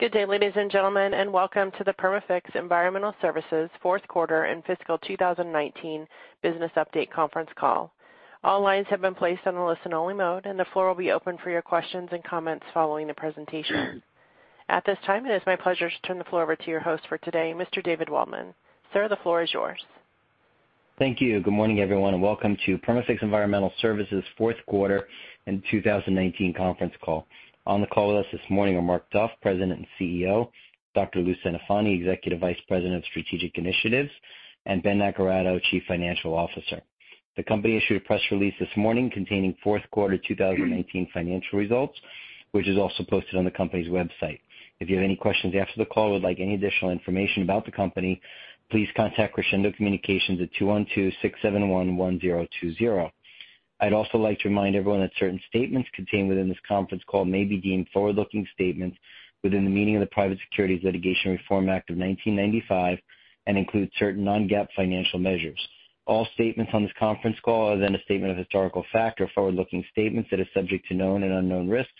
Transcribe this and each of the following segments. Good day, ladies and gentlemen, and welcome to the Perma-Fix Environmental Services fourth quarter and fiscal 2019 business update conference call. All lines have been placed on a listen-only mode, and the floor will be open for your questions and comments following the presentation. At this time, it is my pleasure to turn the floor over to your host for today, Mr. David Waldman. Sir, the floor is yours. Thank you. Good morning, everyone, and welcome to Perma-Fix Environmental Services' fourth quarter and 2019 conference call. On the call with us this morning are Mark Duff, President and CEO, Dr. Louis Centofanti, Executive Vice President of Strategic Initiatives, and Ben Naccarato, Chief Financial Officer. The company issued a press release this morning containing fourth quarter 2019 financial results, which is also posted on the company's website. If you have any questions after the call or would like any additional information about the company, please contact Crescendo Communications at 212-671-1020. I'd also like to remind everyone that certain statements contained within this conference call may be deemed forward-looking statements within the meaning of the Private Securities Litigation Reform Act of 1995 and include certain non-GAAP financial measures. All statements on this conference call are then a statement of historical fact or forward-looking statements that are subject to known and unknown risks,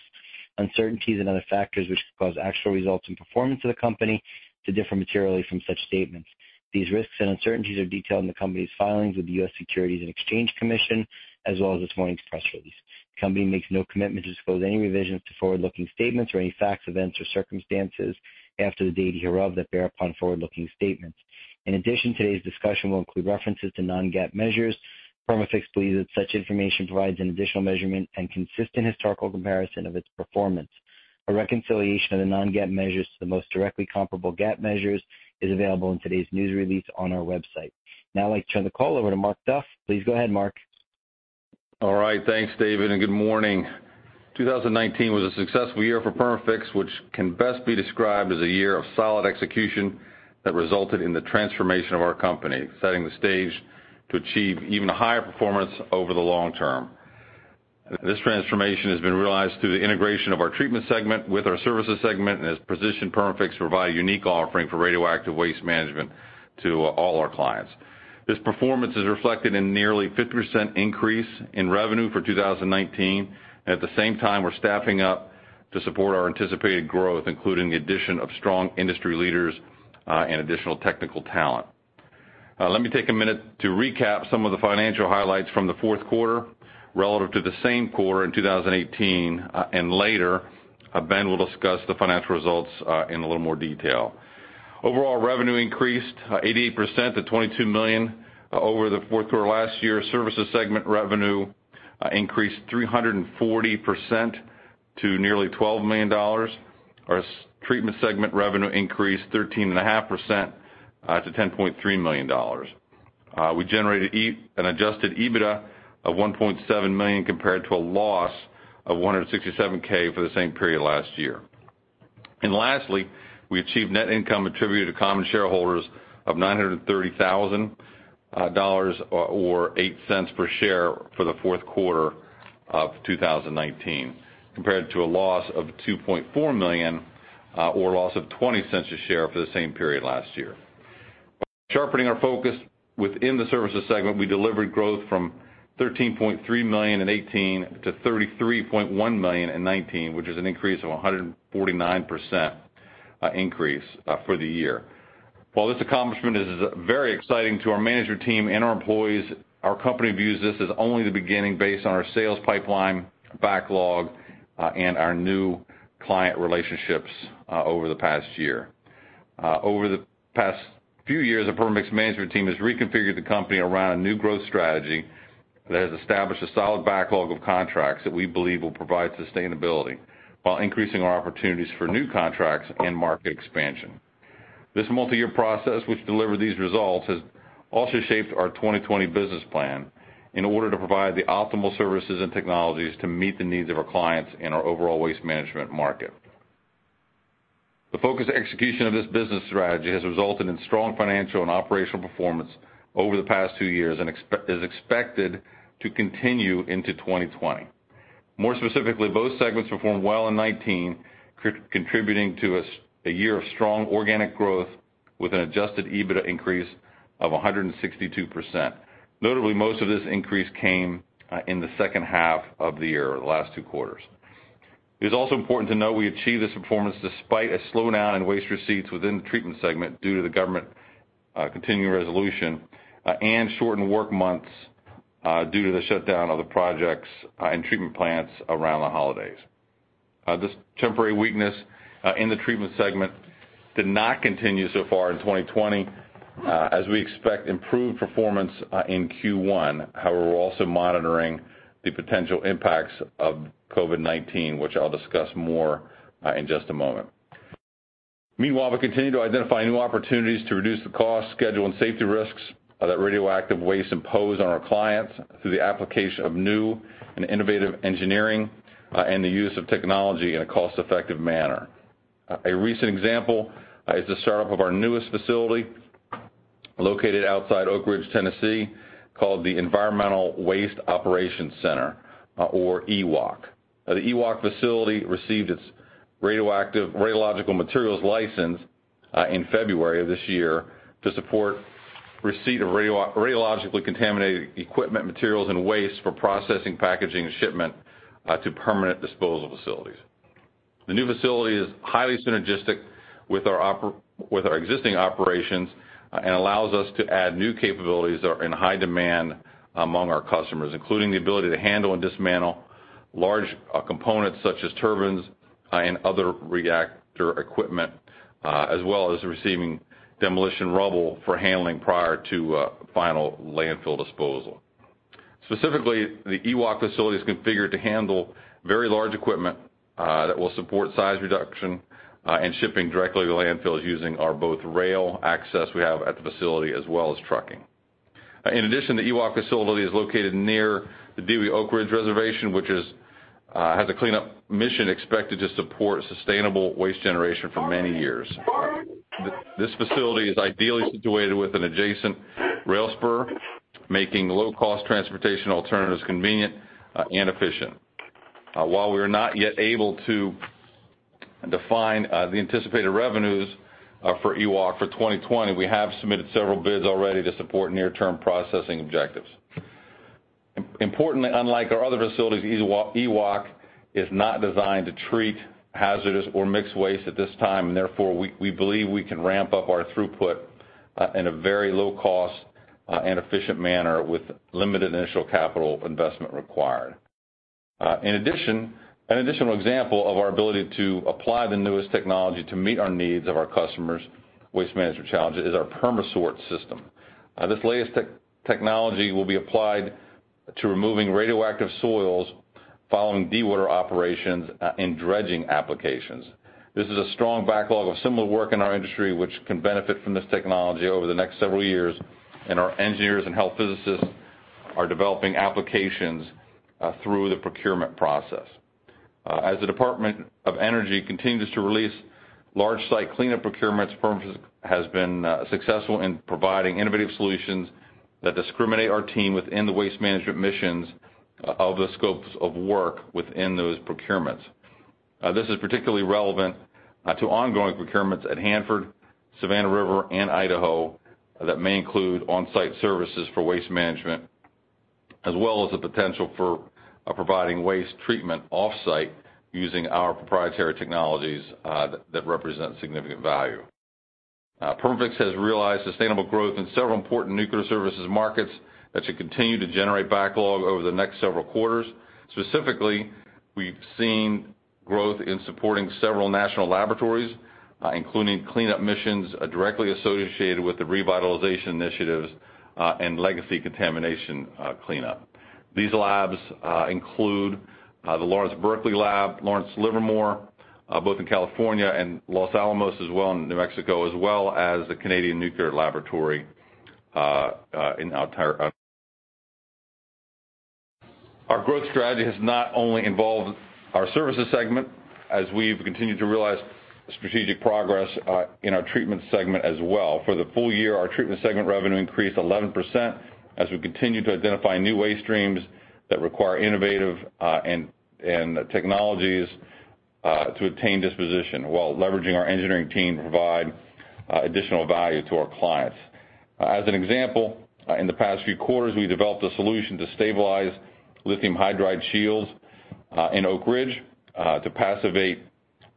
uncertainties, and other factors which cause actual results and performance of the company to differ materially from such statements. These risks and uncertainties are detailed in the company's filings with the U.S. Securities and Exchange Commission, as well as this morning's press release. The company makes no commitment to disclose any revisions to forward-looking statements or any facts, events, or circumstances after the date hereof that bear upon forward-looking statements. Today's discussion will include references to non-GAAP measures. Perma-Fix believes that such information provides an additional measurement and consistent historical comparison of its performance. A reconciliation of the non-GAAP measures to the most directly comparable GAAP measures is available in today's news release on our website. Now I'd like to turn the call over to Mark Duff. Please go ahead, Mark. All right. Thanks, David, and good morning. 2019 was a successful year for Perma-Fix, which can best be described as a year of solid execution that resulted in the transformation of our company, setting the stage to achieve even higher performance over the long term. This transformation has been realized through the integration of our treatment segment with our services segment and has positioned Perma-Fix to provide a unique offering for radioactive waste management to all our clients. This performance is reflected in nearly 50% increase in revenue for 2019, and at the same time, we're staffing up to support our anticipated growth, including the addition of strong industry leaders, and additional technical talent. Let me take a minute to recap some of the financial highlights from the fourth quarter relative to the same quarter in 2018, and later, Ben will discuss the financial results in a little more detail. Overall revenue increased 88% to $22 million over the fourth quarter last year. Services segment revenue increased 340% to nearly $12 million. Our treatment segment revenue increased 13.5% to $10.3 million. We generated an adjusted EBITDA of $1.7 million compared to a loss of $167,000 for the same period last year. Lastly, we achieved net income attributed to common shareholders of $930,000 or $0.08 per share for the fourth quarter of 2019, compared to a loss of $2.4 million or a loss of $0.20 a share for the same period last year. Sharpening our focus within the services segment, we delivered growth from $13.3 million in 2018 to $33.1 million in 2019, which is an increase of 149% for the year. While this accomplishment is very exciting to our management team and our employees, our company views this as only the beginning based on our sales pipeline backlog, and our new client relationships over the past year. Over the past few years, the Perma-Fix team has reconfigured the company around a new growth strategy that has established a solid backlog of contracts that we believe will provide sustainability while increasing our opportunities for new contracts and market expansion. This multiyear process, which delivered these results, has also shaped our 2020 business plan in order to provide the optimal services and technologies to meet the needs of our clients in our overall waste management market. The focused execution of this business strategy has resulted in strong financial and operational performance over the past two years and is expected to continue into 2020. More specifically, both segments performed well in 2019, contributing to a year of strong organic growth with an adjusted EBITDA increase of 162%. Notably, most of this increase came in the second half of the year, the last two quarters. It is also important to note we achieved this performance despite a slowdown in waste receipts within the treatment segment due to the government continuing resolution and shortened work months due to the shutdown of the projects and treatment plants around the holidays. This temporary weakness in the treatment segment did not continue so far in 2020, as we expect improved performance in Q1. We're also monitoring the potential impacts of COVID-19, which I'll discuss more in just a moment. Meanwhile, we continue to identify new opportunities to reduce the cost, schedule, and safety risks of that radioactive waste imposed on our clients through the application of new and innovative engineering and the use of technology in a cost-effective manner. A recent example is the startup of our newest facility located outside Oak Ridge, Tennessee, called the Environmental Waste Operations Center, or EWOC. The EWOC facility received its radiological materials license in February of this year to support receipt of radiologically contaminated equipment, materials, and waste for processing, packaging, and shipment to permanent disposal facilities. The new facility is highly synergistic with our existing operations and allows us to add new capabilities that are in high demand among our customers, including the ability to handle and dismantle large components such as turbines and other reactor equipment, as well as receiving demolition rubble for handling prior to final landfill disposal. Specifically, the EWOC facility is configured to handle very large equipment that will support size reduction and shipping directly to landfills using our both rail access we have at the facility, as well as trucking. In addition, the EWOC facility is located near the DOE Oak Ridge Reservation, which has a cleanup mission expected to support sustainable waste generation for many years. This facility is ideally situated with an adjacent rail spur, making low cost transportation alternatives convenient and efficient. While we are not yet able to define the anticipated revenues for EWOC for 2020, we have submitted several bids already to support near-term processing objectives. Importantly, unlike our other facilities, EWOC is not designed to treat hazardous or mixed waste at this time, and therefore, we believe we can ramp up our throughput in a very low cost and efficient manner with limited initial capital investment required. An additional example of our ability to apply the newest technology to meet our needs of our customers' waste management challenges is our Perma-Sort system. This latest technology will be applied to removing radioactive soils following dewater operations and dredging applications. This is a strong backlog of similar work in our industry, which can benefit from this technology over the next several years, and our engineers and health physicists are developing applications through the procurement process. As the Department of Energy continues to release large site cleanup procurements, Perma-Fix has been successful in providing innovative solutions that discriminate our team within the waste management missions of the scopes of work within those procurements. This is particularly relevant to ongoing procurements at Hanford, Savannah River, and Idaho that may include on-site services for waste management, as well as the potential for providing waste treatment off-site using our proprietary technologies that represent significant value. Perma-Fix has realized sustainable growth in several important nuclear services markets that should continue to generate backlog over the next several quarters. Specifically, we've seen growth in supporting several national laboratories, including cleanup missions directly associated with the revitalization initiatives and legacy contamination cleanup. These labs include the Lawrence Berkeley Lab, Lawrence Livermore, both in California, and Los Alamos as well in New Mexico, as well as the Canadian Nuclear Laboratories in Ontario. Our growth strategy has not only involved our services segment, as we've continued to realize strategic progress in our treatment segment as well. For the full year, our treatment segment revenue increased 11% as we continue to identify new waste streams that require innovative and technologies to attain disposition while leveraging our engineering team to provide additional value to our clients. As an example, in the past few quarters, we developed a solution to stabilize lithium hydride shields in Oak Ridge to passivate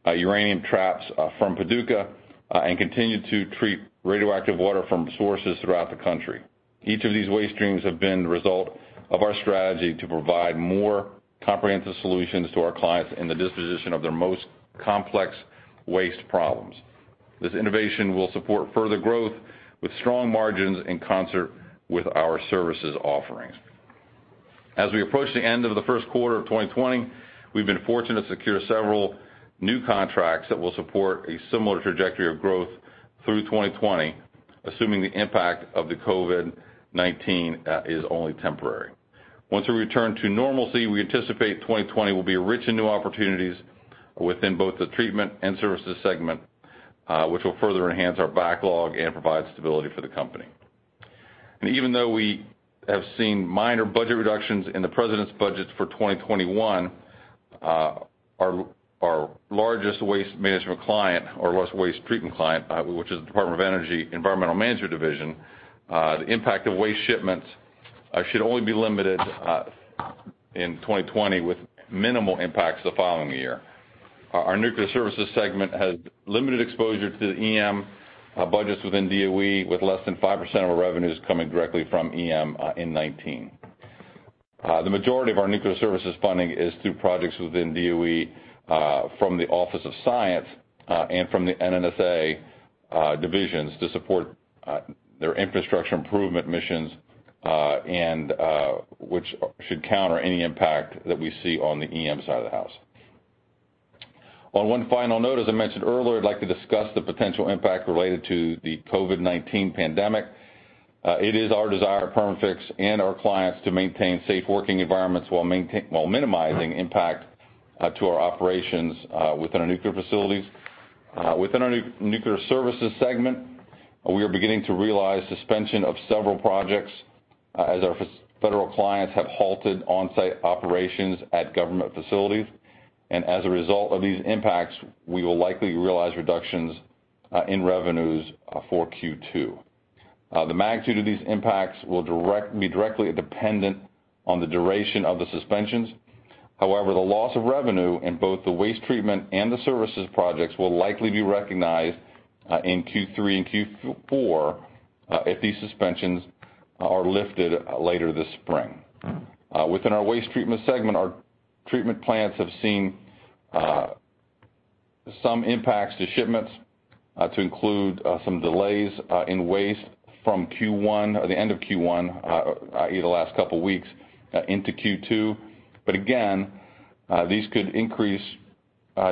uranium traps from Paducah and continue to treat radioactive water from sources throughout the country. Each of these waste streams have been the result of our strategy to provide more comprehensive solutions to our clients in the disposition of their most complex waste problems. This innovation will support further growth with strong margins in concert with our services offerings. As we approach the end of the first quarter of 2020, we've been fortunate to secure several new contracts that will support a similar trajectory of growth through 2020, assuming the impact of the COVID-19 is only temporary. Once we return to normalcy, we anticipate 2020 will be rich in new opportunities within both the Treatment and Services segment, which will further enhance our backlog and provide stability for the company. Even though we have seen minor budget reductions in the President's budget for 2021, our largest waste management client, or largest waste treatment client, which is the Department of Energy, Office of Environmental Management, the impact of waste shipments should only be limited in 2020, with minimal impacts the following year. Our Nuclear Services segment has limited exposure to the EM budgets within DOE, with less than 5% of our revenues coming directly from EM in 2019. The majority of our nuclear services funding is through projects within DOE from the Office of Science and from the NNSA divisions to support their infrastructure improvement missions and which should counter any impact that we see on the EM side of the house. On one final note, as I mentioned earlier, I'd like to discuss the potential impact related to the COVID-19 pandemic. It is our desire at Perma-Fix and our clients to maintain safe working environments while minimizing impact to our operations within our nuclear facilities. Within our nuclear services segment, we are beginning to realize suspension of several projects as our federal clients have halted on-site operations at government facilities. As a result of these impacts, we will likely realize reductions in revenues for Q2. The magnitude of these impacts will be directly dependent on the duration of the suspensions. The loss of revenue in both the waste treatment and the services projects will likely be recognized in Q3 and Q4 if these suspensions are lifted later this spring. Within our waste treatment segment, our treatment plants have seen some impacts to shipments, to include some delays in waste from Q1 or the end of Q1, the last couple of weeks into Q2. Again, these could increase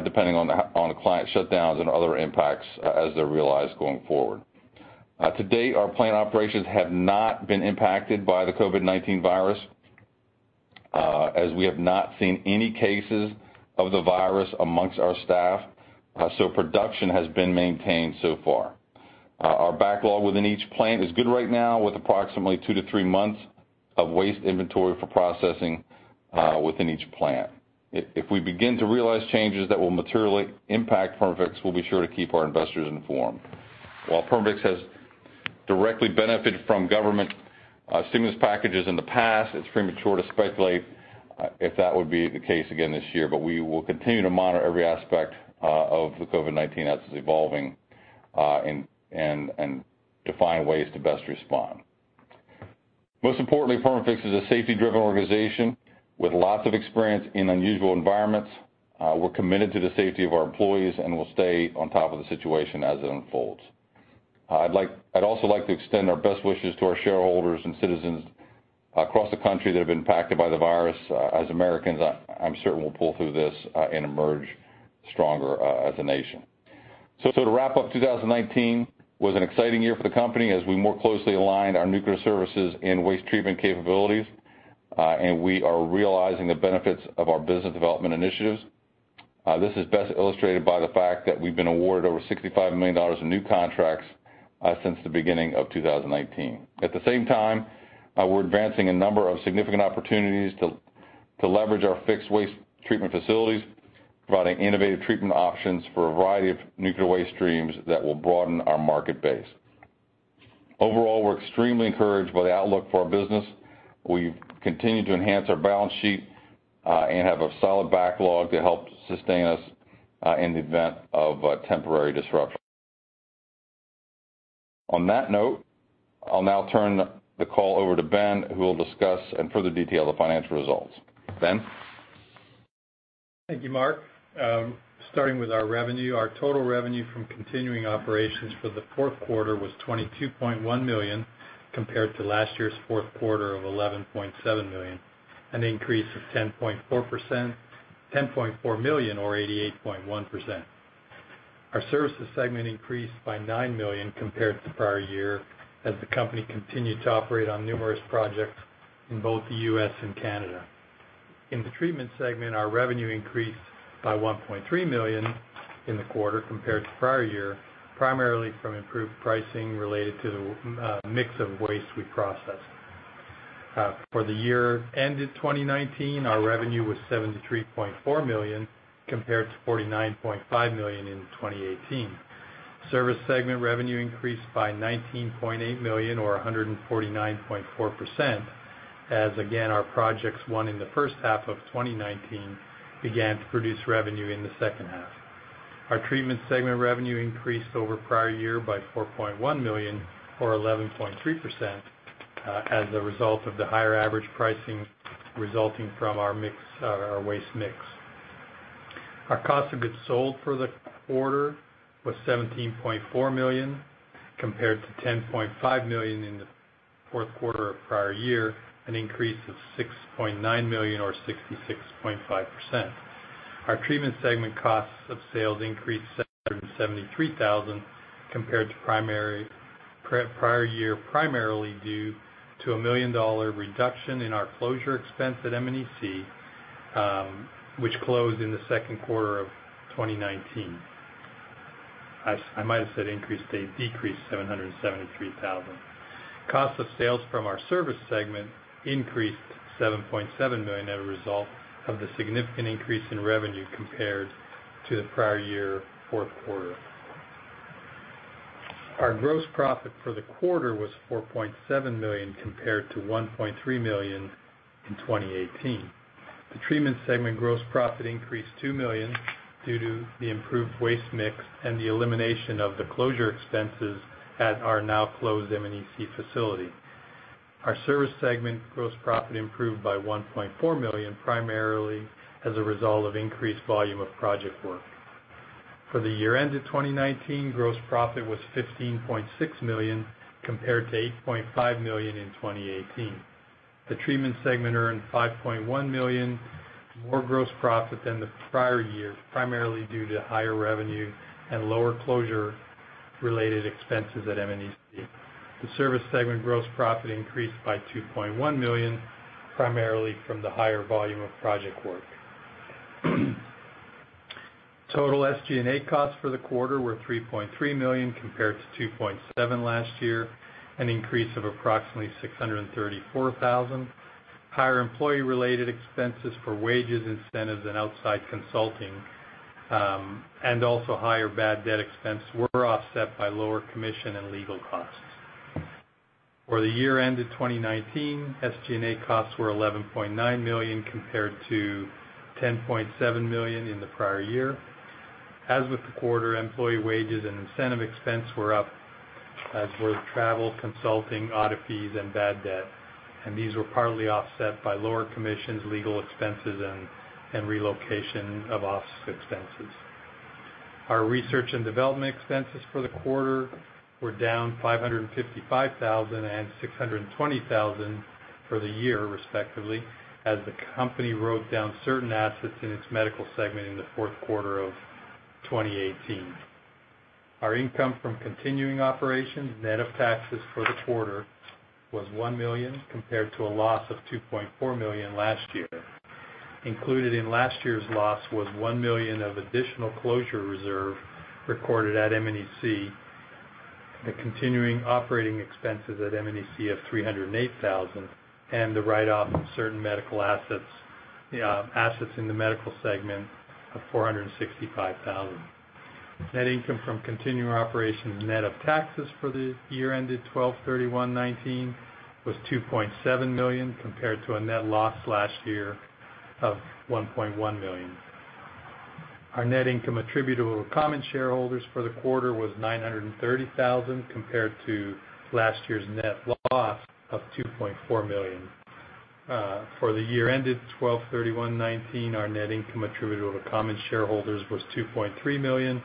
depending on the client shutdowns and other impacts as they're realized going forward. To date, our plant operations have not been impacted by the COVID-19 virus, as we have not seen any cases of the virus amongst our staff, so production has been maintained so far. Our backlog within each plant is good right now, with approximately two to three months of waste inventory for processing within each plant. If we begin to realize changes that will materially impact Perma-Fix, we'll be sure to keep our investors informed. While Perma-Fix has directly benefited from government stimulus packages in the past, it's premature to speculate if that would be the case again this year, but we will continue to monitor every aspect of the COVID-19 as it's evolving, and define ways to best respond. Most importantly, Perma-Fix is a safety-driven organization with lots of experience in unusual environments. We're committed to the safety of our employees and will stay on top of the situation as it unfolds. I'd also like to extend our best wishes to our shareholders and citizens across the country that have been impacted by the virus. As Americans, I'm certain we'll pull through this and emerge stronger as a nation. To wrap up, 2019 was an exciting year for the company as we more closely aligned our nuclear services and waste treatment capabilities, and we are realizing the benefits of our business development initiatives. This is best illustrated by the fact that we've been awarded over $65 million in new contracts since the beginning of 2019. At the same time, we're advancing a number of significant opportunities to leverage our fixed waste treatment facilities, providing innovative treatment options for a variety of nuclear waste streams that will broaden our market base. Overall, we're extremely encouraged by the outlook for our business. We continue to enhance our balance sheet, and have a solid backlog to help sustain us in the event of temporary disruption. On that note, I'll now turn the call over to Ben, who will discuss in further detail the financial results. Ben? Thank you, Mark. Starting with our revenue, our total revenue from continuing operations for the fourth quarter was $22.1 million, compared to last year's fourth quarter of $11.7 million, an increase of $10.4 million or 88.1%. Our Services segment increased by $9 million compared to the prior year as the company continued to operate on numerous projects in both the U.S. and Canada. In the Treatment segment, our revenue increased by $1.3 million in the quarter compared to prior year, primarily from improved pricing related to the mix of waste we processed. For the year ended 2019, our revenue was $73.4 million, compared to $49.5 million in 2018. Services segment revenue increased by $19.8 million or 149.4%, as again, our projects won in the first half of 2019 began to produce revenue in the second half. Our treatment segment revenue increased over prior year by $4.1 million or 11.3% as a result of the higher average pricing resulting from our waste mix. Our cost of goods sold for the quarter was $17.4 million, compared to $10.5 million in the fourth quarter of prior year, an increase of $6.9 million or 66.5%. Our treatment segment costs of sales increased $773,000 compared to prior year, primarily due to a $1 million reduction in our closure expense at M&EC, which closed in the second quarter of 2019. I might have said increased. A decrease, $773,000. Cost of sales from our service segment increased $7.7 million as a result of the significant increase in revenue compared to the prior year fourth quarter. Our gross profit for the quarter was $4.7 million compared to $1.3 million in 2018. The treatment segment gross profit increased $2 million due to the improved waste mix and the elimination of the closure expenses at our now closed M&EC facility. Our service segment gross profit improved by $1.4 million, primarily as a result of increased volume of project work. For the year ended 2019, gross profit was $15.6 million compared to $8.5 million in 2018. The treatment segment earned $5.1 million more gross profit than the prior year, primarily due to higher revenue and lower closure related expenses at M&EC. The service segment gross profit increased by $2.1 million, primarily from the higher volume of project work. Total SG&A costs for the quarter were $3.3 million compared to $2.7 million last year, an increase of approximately $634,000. Higher employee-related expenses for wages, incentives, and outside consulting, and also higher bad debt expense were offset by lower commission and legal costs. For the year ended 2019, SG&A costs were $11.9 million compared to $10.7 million in the prior year. As with the quarter, employee wages and incentive expense were up, as were travel, consulting, audit fees, and bad debt. These were partly offset by lower commissions, legal expenses, and relocation of office expenses. Our research and development expenses for the quarter were down $555,000 and $620,000 for the year, respectively, as the company wrote down certain assets in its medical segment in the fourth quarter of 2018. Our income from continuing operations, net of taxes for the quarter was $1 million, compared to a loss of $2.4 million last year. Included in last year's loss was $1 million of additional closure reserve recorded at M&EC, the continuing operating expenses at M&EC of $308,000, and the write-off of certain medical assets in the medical segment of $465,000. Net income from continuing operations, net of taxes for the year ended 12/31/2019, was $2.7 million, compared to a net loss last year of $1.1 million. Our net income attributable to common shareholders for the quarter was $930,000, compared to last year's net loss of $2.4 million. For the year ended 12/31/2019, our net income attributable to common shareholders was $2.3 million,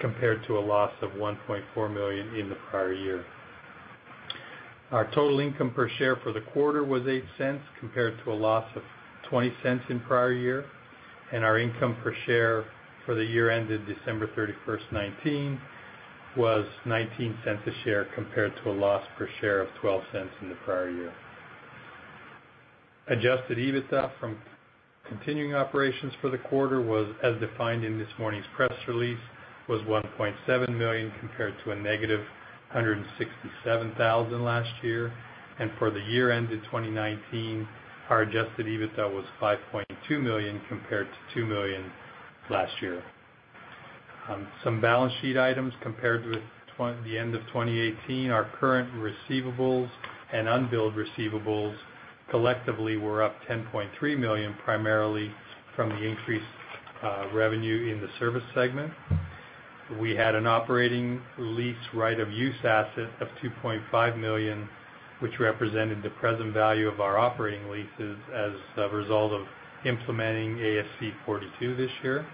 compared to a loss of $1.4 million in the prior year. Our total income per share for the quarter was $0.08, compared to a loss of $0.20 in prior year. Our income per share for the year ended December 31st, 2019, was $0.19 a share, compared to a loss per share of $0.12 in the prior year. Adjusted EBITDA from continuing operations for the quarter, as defined in this morning's press release, was $1.7 million, compared to a -$167,000 last year. For the year ended 2019, our adjusted EBITDA was $5.2 million compared to $2 million last year. Some balance sheet items compared with the end of 2018. Our current receivables and unbilled receivables collectively were up $10.3 million, primarily from the increased revenue in the service segment. We had an operating lease right-of-use asset of $2.5 million, which represented the present value of our operating leases as a result of implementing ASC 842 this year.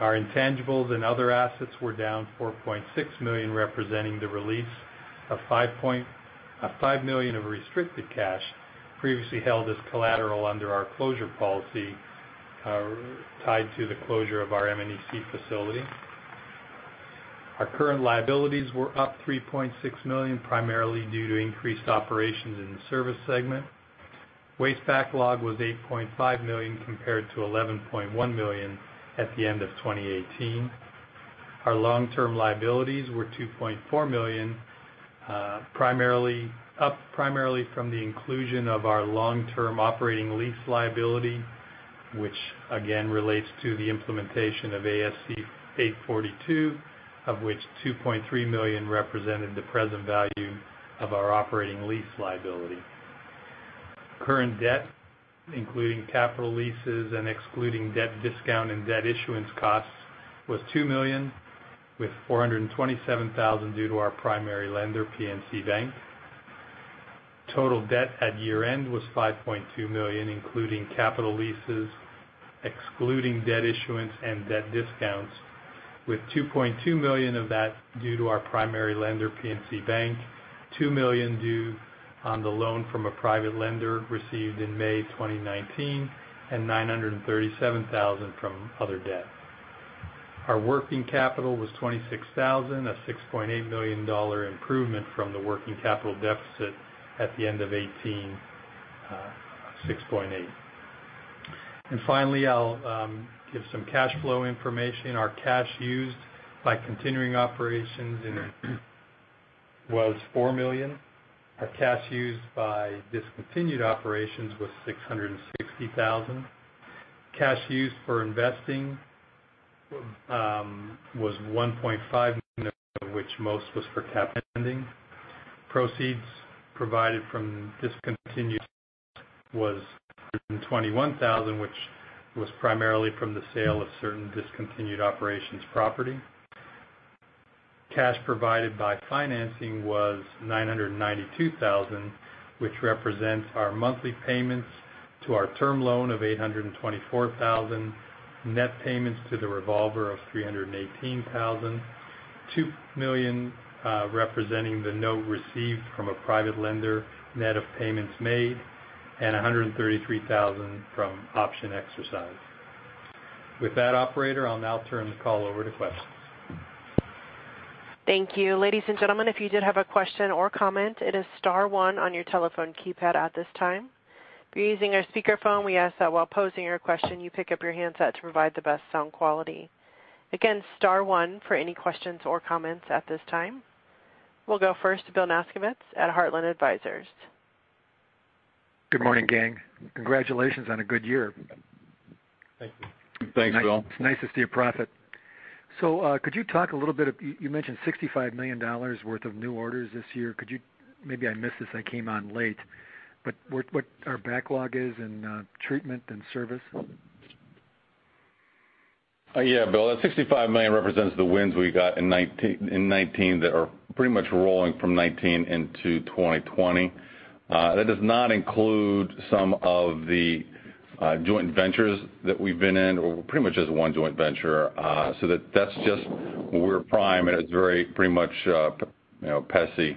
Our intangibles and other assets were down $4.6 million, representing the release of $5 million of restricted cash previously held as collateral under our closure policy, tied to the closure of our M&EC facility. Our current liabilities were up $3.6 million, primarily due to increased operations in the service segment. Waste backlog was $8.5 million compared to $11.1 million at the end of 2018. Our long-term liabilities were $2.4 million, up primarily from the inclusion of our long-term operating lease liability, which again relates to the implementation of ASC 842, of which $2.3 million represented the present value of our operating lease liability. Current debt, including capital leases and excluding debt discount and debt issuance costs, was $2 million, with $427,000 due to our primary lender, PNC Bank. Total debt at year-end was $5.2 million, including capital leases, excluding debt issuance and debt discounts, with $2.2 million of that due to our primary lender, PNC Bank, $2 million due on the loan from a private lender received in May 2019, and $937,000 from other debt. Our working capital was $26,000, a $6.8 million improvement from the working capital deficit at the end of 2018, $6.8 million. Finally, I'll give some cash flow information. Our cash used by continuing operations was $4 million. Our cash used by discontinued operations was $660,000. Cash used for investing was $1.5 million, of which most was for cap spending. Proceeds provided from discontinued was $121,000, which was primarily from the sale of certain discontinued operations property. Cash provided by financing was $992,000, which represents our monthly payments to our term loan of $824,000, net payments to the revolver of $318,000, $2 million representing the note received from a private lender, net of payments made, and $133,000 from option exercise. With that, operator, I'll now turn the call over to questions. Thank you. Ladies and gentlemen, if you did have a question or comment, it is star one on your telephone keypad at this time. If you're using a speakerphone, we ask that while posing your question, you pick up your handset to provide the best sound quality. Again, star one for any questions or comments at this time. We'll go first to Bill Nasgovitz at Heartland Advisors. Good morning, gang. Congratulations on a good year. Thank you. Thanks, Bill. It's nice to see a profit. Could you talk a little bit, you mentioned $65 million worth of new orders this year. Could you Maybe I missed this, I came on late, but what our backlog is in treatment and service? Yeah. Bill, that $65 million represents the wins we got in 2019 that are pretty much rolling from 2019 into 2020. That does not include some of the joint ventures that we've been in, or pretty much just one joint venture. That's just where we're prime, and it's very pretty much, you know, PESI,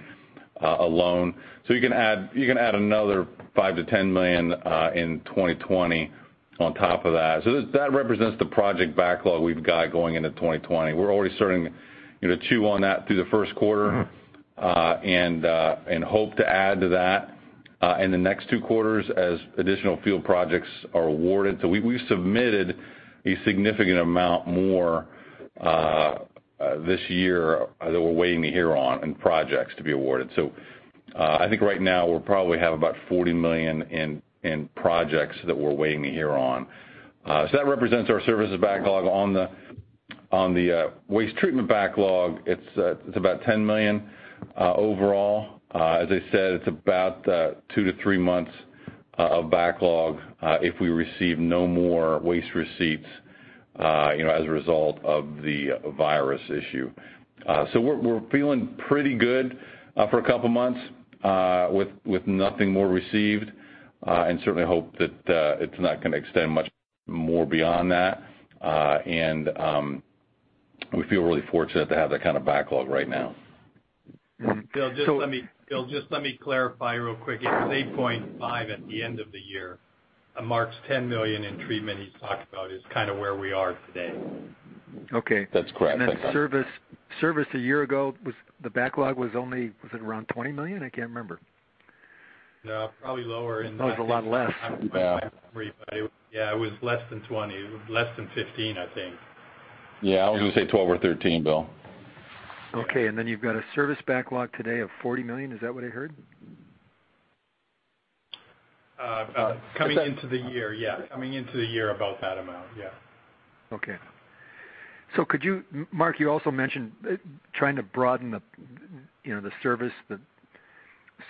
alone. You can add another $5 million-$10 million in 2020 on top of that. That represents the project backlog we've got going into 2020. We're already starting to chew on that through the first quarter. Hope to add to that in the next two quarters as additional field projects are awarded. We submitted a significant amount more this year that we're waiting to hear on projects to be awarded. I think right now we'll probably have about $40 million in projects that we're waiting to hear on. That represents our services backlog. On the waste treatment backlog, it's about $10 million overall. As I said, it's about two to three months of backlog if we receive no more waste receipts, you know, as a result of the virus issue. We're feeling pretty good for a couple of months with nothing more received and certainly hope that it's not gonna extend much more beyond that. We feel really fortunate to have that kind of backlog right now. Bill, just let me clarify real quick. It was $8.5 million at the end of the year. Mark's $10 million in treatment he's talking about is kind of where we are today. Okay. That's correct. Service a year ago, the backlog was only, was it around $20 million? I can't remember. No, probably lower than that. Probably was a lot less. Yeah. Yeah, it was less than $20 million. Less than $15 million, I think. Yeah. I was gonna say $12 million or $13 million, Bill. Okay, you've got a service backlog today of $40 million. Is that what I heard? Coming into the year. Yeah. Coming into the year, about that amount. Yeah. Okay. Could you Mark, you also mentioned trying to broaden the service, the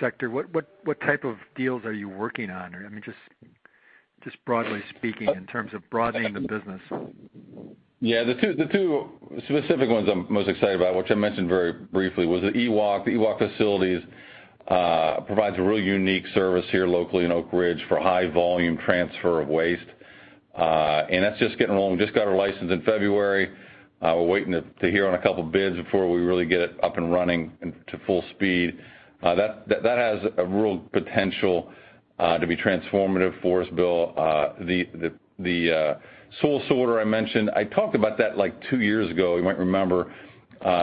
sector. What type of deals are you working on? I mean, just broadly speaking in terms of broadening the business. The two specific ones I'm most excited about, which I mentioned very briefly, was the EWOC. The EWOC facilities provides a really unique service here locally in Oak Ridge for high volume transfer of waste. That's just getting rolling. Just got our license in February. We're waiting to hear on a couple of bids before we really get it up and running and to full speed. That has a real potential to be transformative for us, Bill. The soil sort I mentioned, I talked about that, like, two years ago. You might remember.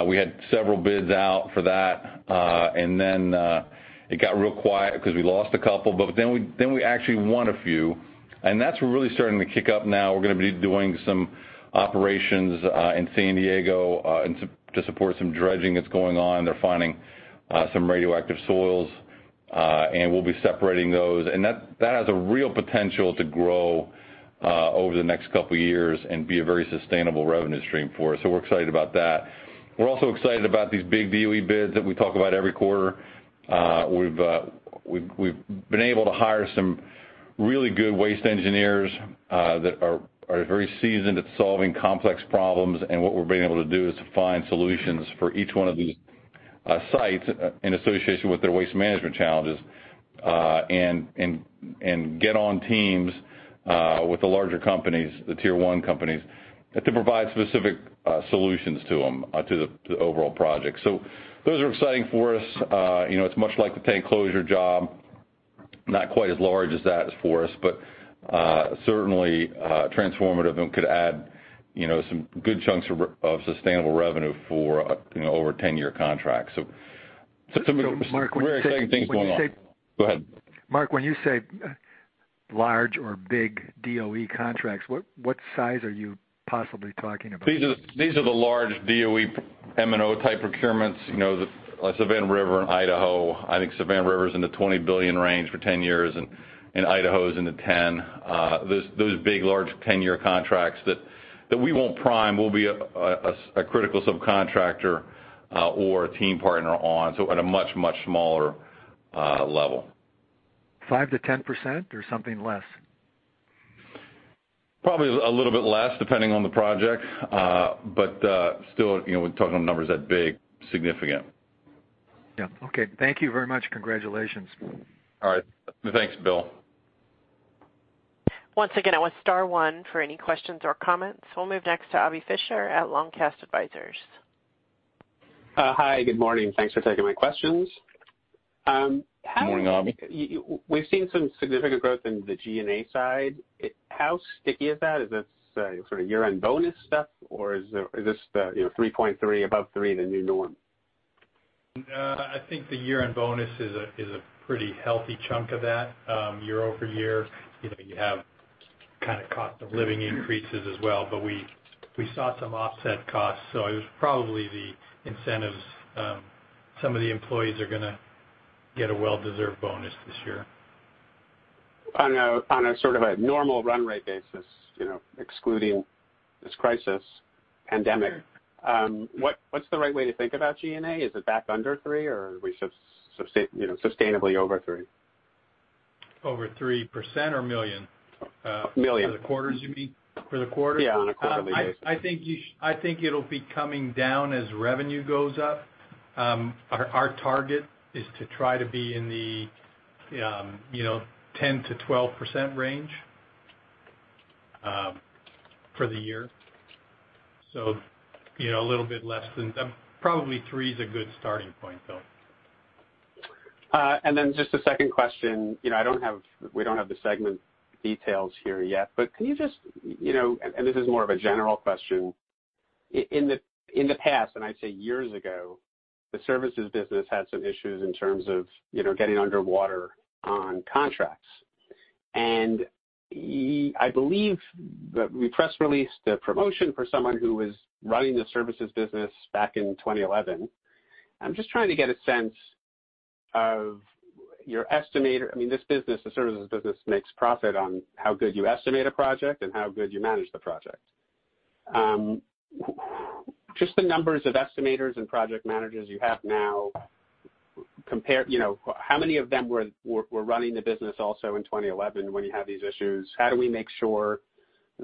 We had several bids out for that, and then it got real quiet because we lost a couple, but then we actually won a few, and that's really starting to kick up now. We're gonna be doing some operations in San Diego to support some dredging that's going on. They're finding some radioactive soils, and we'll be separating those. That has a real potential to grow over the next couple of years and be a very sustainable revenue stream for us. We're excited about that. We're also excited about these big DOE bids that we talk about every quarter. We've been able to hire some really good waste engineers that are very seasoned at solving complex problems. What we've been able to do is to find solutions for each one of these sites in association with their waste management challenges, and get on teams with the larger companies, the tier 1 companies, to provide specific solutions to them to the overall project. Those are exciting for us. you know, it's much like the tank closure job. Not quite as large as that for us, but, certainly, transformative and could add some good chunks of sustainable revenue for over a 10-year contract. Some very exciting things going on. Mark, when you say. Go ahead. Mark, when you say large or big DOE contracts, what size are you possibly talking about? These are the large DOE M&O type procurements. You know, the Savannah River and Idaho. I think Savannah River is in the $20 billion range for 10 years, and Idaho is in the $10 billion. Those big, large 10-year contracts that we won't prime. We'll be a critical subcontractor, or a team partner on, so at a much, much smaller, level. 5%-10%, or something less? Probably a little bit less, depending on the project. Still, you know, we're talking about numbers that big, significant. Yeah. Okay. Thank you very much. Congratulations. All right. Thanks, Bill. Once again, it was star one for any questions or comments. We'll move next to Avi Fisher at Long Cast Advisors. Hi. Good morning. Thanks for taking my questions. Morning, Avi. we've seen some significant growth in the G&A side. How sticky is that? Is this sort of year-end bonus stuff, or is this the $3.3 million above $3 million the new norm? I think the year-end bonus is a pretty healthy chunk of that. Year-over-year, you have kind of cost of living increases as well. We saw some offset costs. It was probably the incentives. Some of the employees are going to get a well-deserved bonus this year. On a sort of a normal run rate basis, excluding this crisis pandemic, what's the right way to think about G&A? Is it back under $3 million, or are we sustainably over $3 million? Over 3% or million? Million. For the quarters, you mean? For the quarter? Yeah, on a quarterly basis. I think it'll be coming down as revenue goes up. Our target is to try to be in the 10%-12% range for the year. Probably three is a good starting point, though. Just a second question. We don't have the segment details here yet, can you just This is more of a general question. In the past, I'd say years ago, the services business had some issues in terms of getting underwater on contracts. I believe that we press released a promotion for someone who was running the services business back in 2011. I'm just trying to get a sense of your estimator. I mean, this business, the services business, makes profit on how good you estimate a project and how good you manage the project. Just the numbers of estimators and project managers you have now, how many of them were running the business also in 2011 when you had these issues? How do we make sure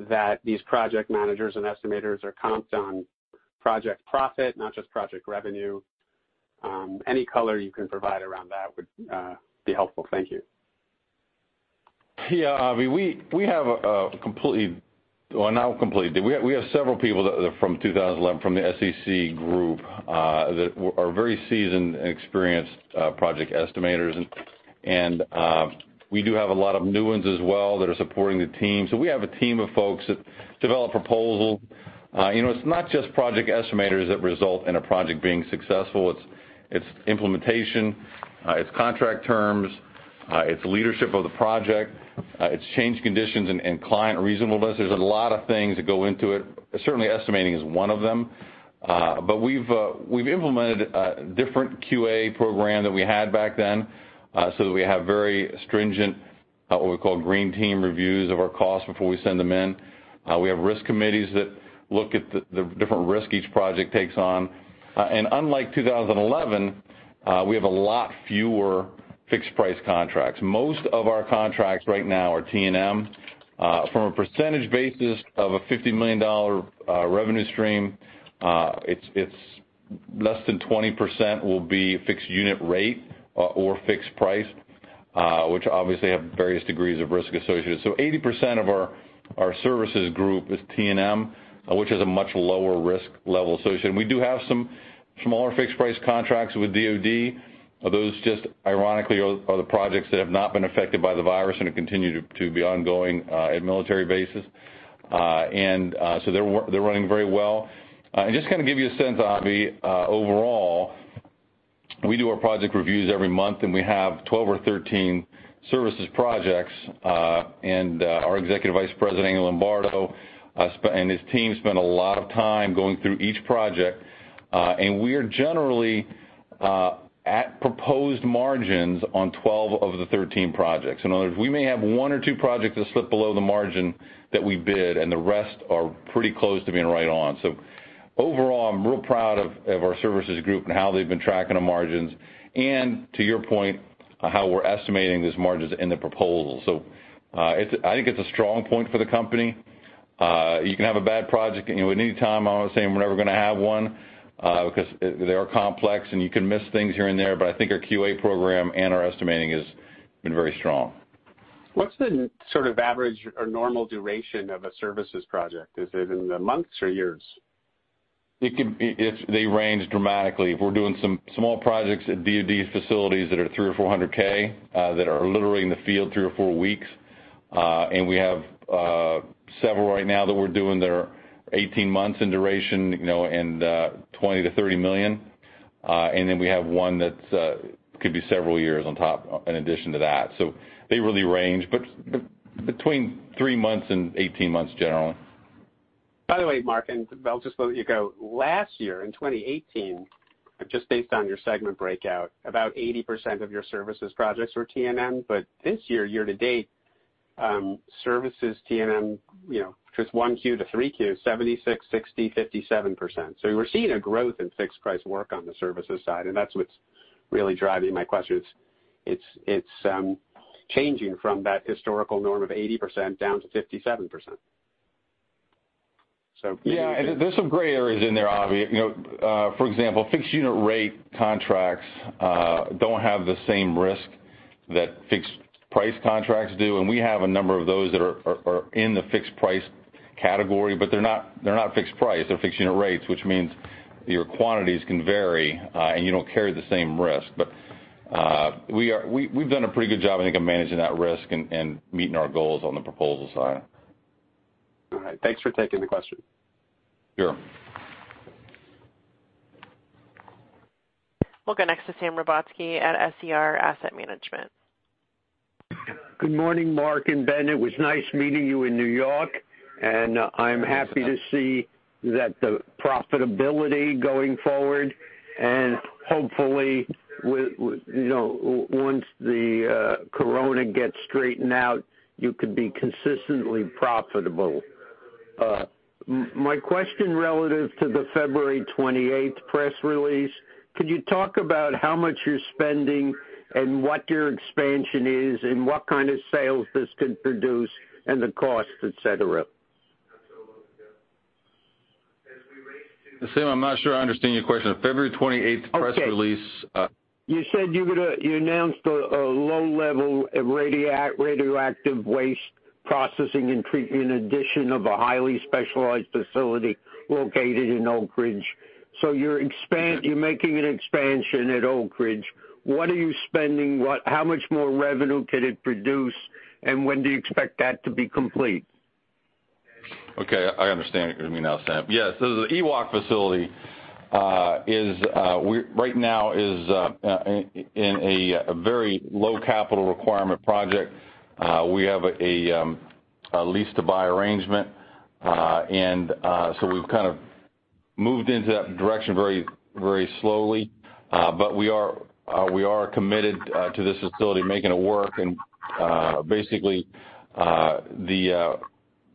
that these project managers and estimators are comped on project profit, not just project revenue? Any color you can provide around that would be helpful. Thank you. Avi, we have several people that are from 2011 from the SEC group that are very seasoned and experienced project estimators. We do have a lot of new ones as well that are supporting the team. We have a team of folks that develop proposals. It's not just project estimators that result in a project being successful. It's implementation, it's contract terms, it's leadership of the project, it's change conditions and client reasonableness. There's a lot of things that go into it. Certainly estimating is one of them. We've implemented a different QA program than we had back then, so that we have very stringent, what we call Green Team reviews of our costs before we send them in. We have risk committees that look at the different risks each project takes on. Unlike 2011, we have a lot fewer fixed price contracts. Most of our contracts right now are T&M. From a percentage basis of a $50 million revenue stream, it's less than 20% will be fixed unit rate or fixed price, which obviously have various degrees of risk associated. 80% of our services group is T&M, which is a much lower risk level associated. We do have some smaller fixed price contracts with DoD. Those just ironically are the projects that have not been affected by the virus and have continued to be ongoing at military bases. They're running very well. Just to kind of give you a sense, Avi, overall, we do our project reviews every month, and we have 12 or 13 services projects. Our Executive Vice President, Andrew Lombardo, and his team spend a lot of time going through each project. We are generally at proposed margins on 12 of the 13 projects. In other words, we may have one or two projects that slip below the margin that we bid, and the rest are pretty close to being right on. Overall, I'm real proud of our services group and how they've been tracking the margins and, to your point, how we're estimating those margins in the proposal. I think it's a strong point for the company. You can have a bad project at any time. I'm not saying we're never going to have one, because they are complex, and you can miss things here and there. I think our QA program and our estimating has been very strong. What's the sort of average or normal duration of a services project? Is it in the months or years? They range dramatically. If we're doing some small projects at DOD facilities that are 3 or 400,000, that are literally in the field three or four weeks. We have several right now that we're doing that are 18 months in duration, and $20 million-$30 million. We have one that could be several years on top in addition to that. They really range, but between three months and 18 months generally. By the way, Mark, I'll just let you go. Last year in 2018, just based on your segment breakout, about 80% of your services projects were T&M. This year-to-date, services T&M, just 1Q to 3Q, 76%, 60%, 57%. We're seeing a growth in fixed price work on the services side, and that's what's really driving my questions. It's changing from that historical norm of 80% down to 57%. Yeah, there's some gray areas in there, Avi. For example, fixed unit rate contracts don't have the same risk that fixed price contracts do, and we have a number of those that are in the fixed price category, but they're not fixed price, they're fixed unit rates, which means your quantities can vary, and you don't carry the same risk. We've done a pretty good job, I think, of managing that risk and meeting our goals on the proposal side. All right. Thanks for taking the question. Sure. We'll go next to Sam Rebotsky at SER Asset Management. Good morning, Mark and Ben. It was nice meeting you in New York. I'm happy to see that the profitability going forward and hopefully once the corona gets straightened out, you could be consistently profitable. My question relative to the February 28th press release, could you talk about how much you're spending and what your expansion is and what kind of sales this could produce and the cost, et cetera? Sam, I'm not sure I understand your question. The February 28th press release- Okay. You said you announced a low level of radioactive waste processing and treatment in addition of a highly specialized facility located in Oak Ridge. You're making an expansion at Oak Ridge. What are you spending? How much more revenue could it produce, and when do you expect that to be complete? Okay, I understand what you mean now, Sam. Yes. The EWOC facility right now is in a very low capital requirement project. We have a lease-to-buy arrangement. We've kind of moved into that direction very slowly. We are committed to this facility, making it work.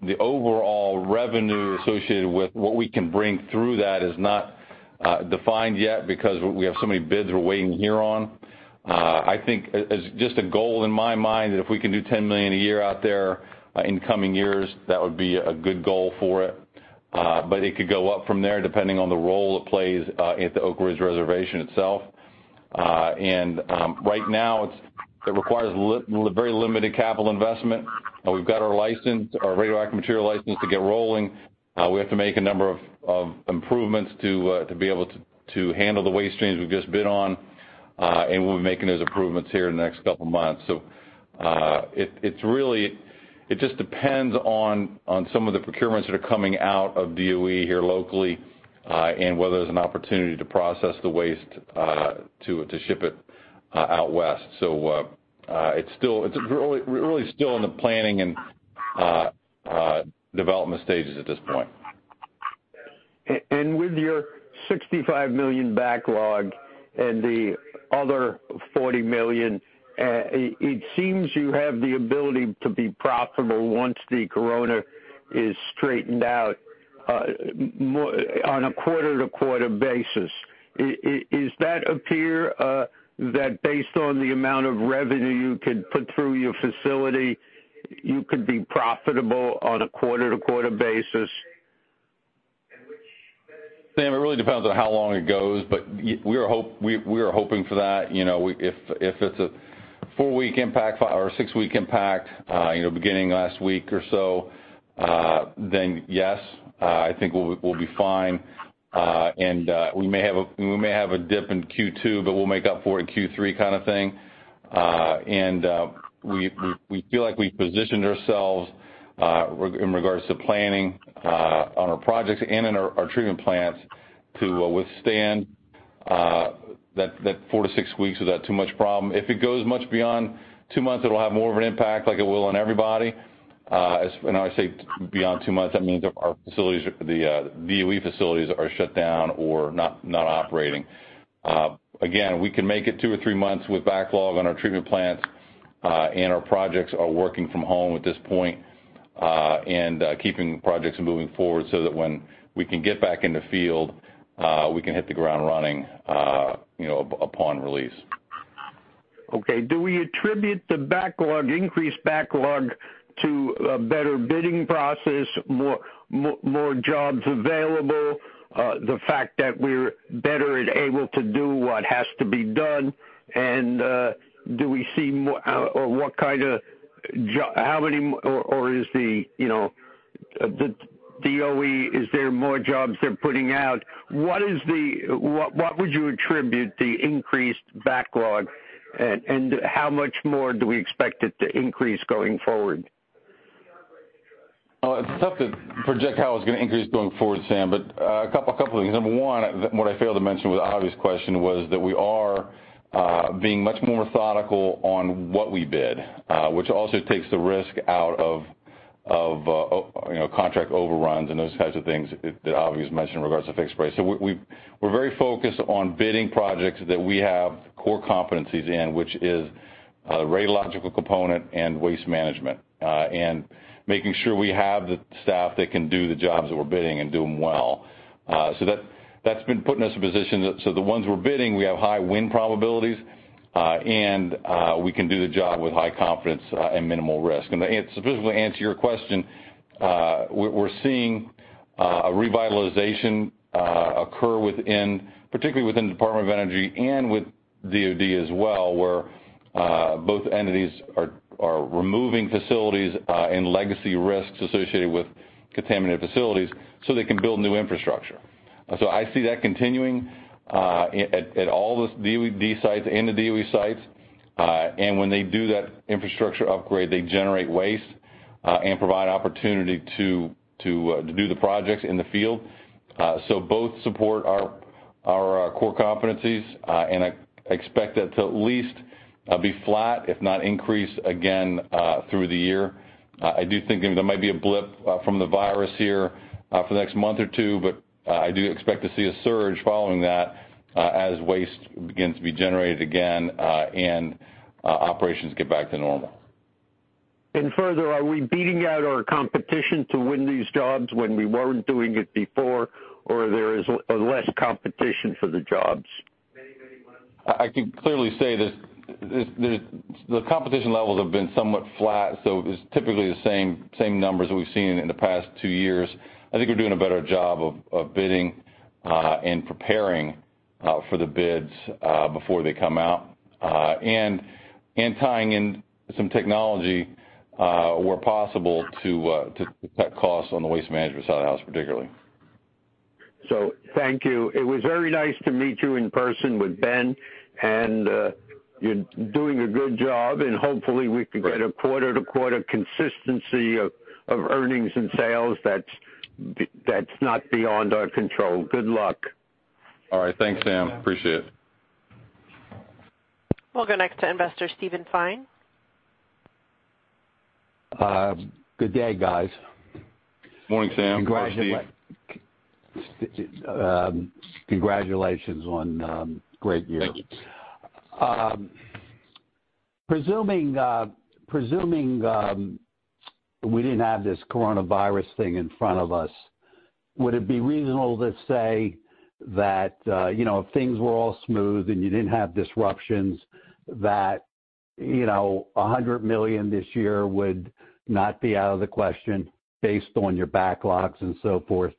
The overall revenue associated with what we can bring through that is not defined yet because we have so many bids we're waiting to hear on. I think as just a goal in my mind, that if we can do $10 million a year out there in coming years, that would be a good goal for it. It could go up from there depending on the role it plays at the Oak Ridge Reservation itself. Right now, it requires very limited capital investment, and we've got our license, our radioactive material license to get rolling. We have to make a number of improvements to be able to handle the waste streams we've just bid on. We'll be making those improvements here in the next couple of months. It just depends on some of the procurements that are coming out of DOE here locally, and whether there's an opportunity to process the waste to ship it out west. It's really still in the planning and development stages at this point. With your $65 million backlog and the other $40 million, it seems you have the ability to be profitable once the corona is straightened out on a quarter-to-quarter basis. Is that appear that based on the amount of revenue you could put through your facility, you could be profitable on a quarter-to-quarter basis? Sam, it really depends on how long it goes, we are hoping for that. If it's a four-week impact or six-week impact beginning last week or so, yes, I think we'll be fine. We may have a dip in Q2, we'll make up for it in Q3 kind of thing. We feel like we've positioned ourselves, in regards to planning on our projects and in our treatment plants, to withstand that four to six weeks without too much problem. If it goes much beyond two months, it'll have more of an impact like it will on everybody. When I say beyond two months, that means the DOE facilities are shut down or not operating. We can make it two or three months with backlog on our treatment plants, and our projects are working from home at this point, and keeping projects moving forward so that when we can get back in the field, we can hit the ground running upon release. Okay. Do we attribute the increased backlog to a better bidding process, more jobs available, the fact that we're better and able to do what has to be done? DOE, is there more jobs they're putting out? What would you attribute the increased backlog and how much more do we expect it to increase going forward? It's tough to project how it's going to increase going forward, Sam, a couple of things. Number one, what I failed to mention with Avi's question was that we are being much more methodical on what we bid, which also takes the risk out of contract overruns and those types of things that Avi's mentioned in regards to fixed price. We're very focused on bidding projects that we have core competencies in, which is a radiological component and waste management. Making sure we have the staff that can do the jobs that we're bidding and do them well. That's been putting us in a position so the ones we're bidding, we have high win probabilities, and we can do the job with high confidence and minimal risk. To specifically answer your question, we're seeing a revitalization occur particularly within the Department of Energy and with DOD as well, where both entities are removing facilities and legacy risks associated with contaminated facilities so they can build new infrastructure. I see that continuing at all the DOE sites and the DOD sites. When they do that infrastructure upgrade, they generate waste, and provide opportunity to do the projects in the field. Both support our core competencies, and I expect that to at least be flat, if not increase again, through the year. I do think there might be a blip from the virus here for the next month or two, but I do expect to see a surge following that as waste begins to be generated again and operations get back to normal. Further, are we beating out our competition to win these jobs when we weren't doing it before? There is less competition for the jobs? I can clearly say the competition levels have been somewhat flat. It's typically the same numbers we've seen in the past two years. I think we're doing a better job of bidding, and preparing for the bids before they come out. Tying in some technology, where possible, to cut costs on the waste management side of the house particularly. Thank you. It was very nice to meet you in person with Ben, and you're doing a good job and hopefully we can get a quarter-to-quarter consistency of earnings and sales that's not beyond our control. Good luck. All right. Thanks, Sam. Appreciate it. We'll go next to investor Steven Fine. Good day, guys. Morning, Sam. Congratulations. Steve. Congratulations on a great year. Thank you. Presuming we didn't have this coronavirus thing in front of us, would it be reasonable to say that, if things were all smooth and you didn't have disruptions that, $100 million this year would not be out of the question based on your backlogs and so forth?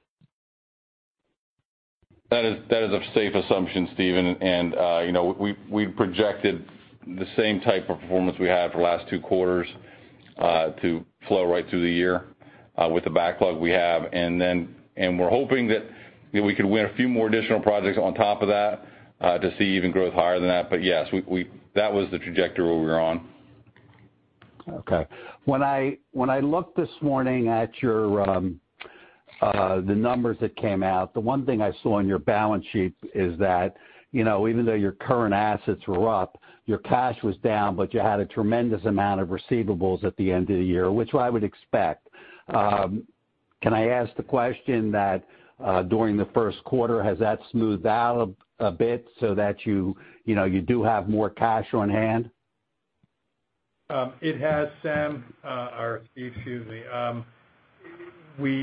That is a safe assumption, Steven. We've projected the same type of performance we had for the last two quarters to flow right through the year with the backlog we have. We're hoping that we could win a few more additional projects on top of that, to see even growth higher than that. Yes, that was the trajectory we were on. Okay. When I looked this morning at the numbers that came out, the one thing I saw on your balance sheet is that even though your current assets were up, your cash was down, but you had a tremendous amount of receivables at the end of the year, which I would expect. Can I ask the question that, during the first quarter, has that smoothed out a bit so that you do have more cash on hand? It has, Sam, or Steve, excuse me.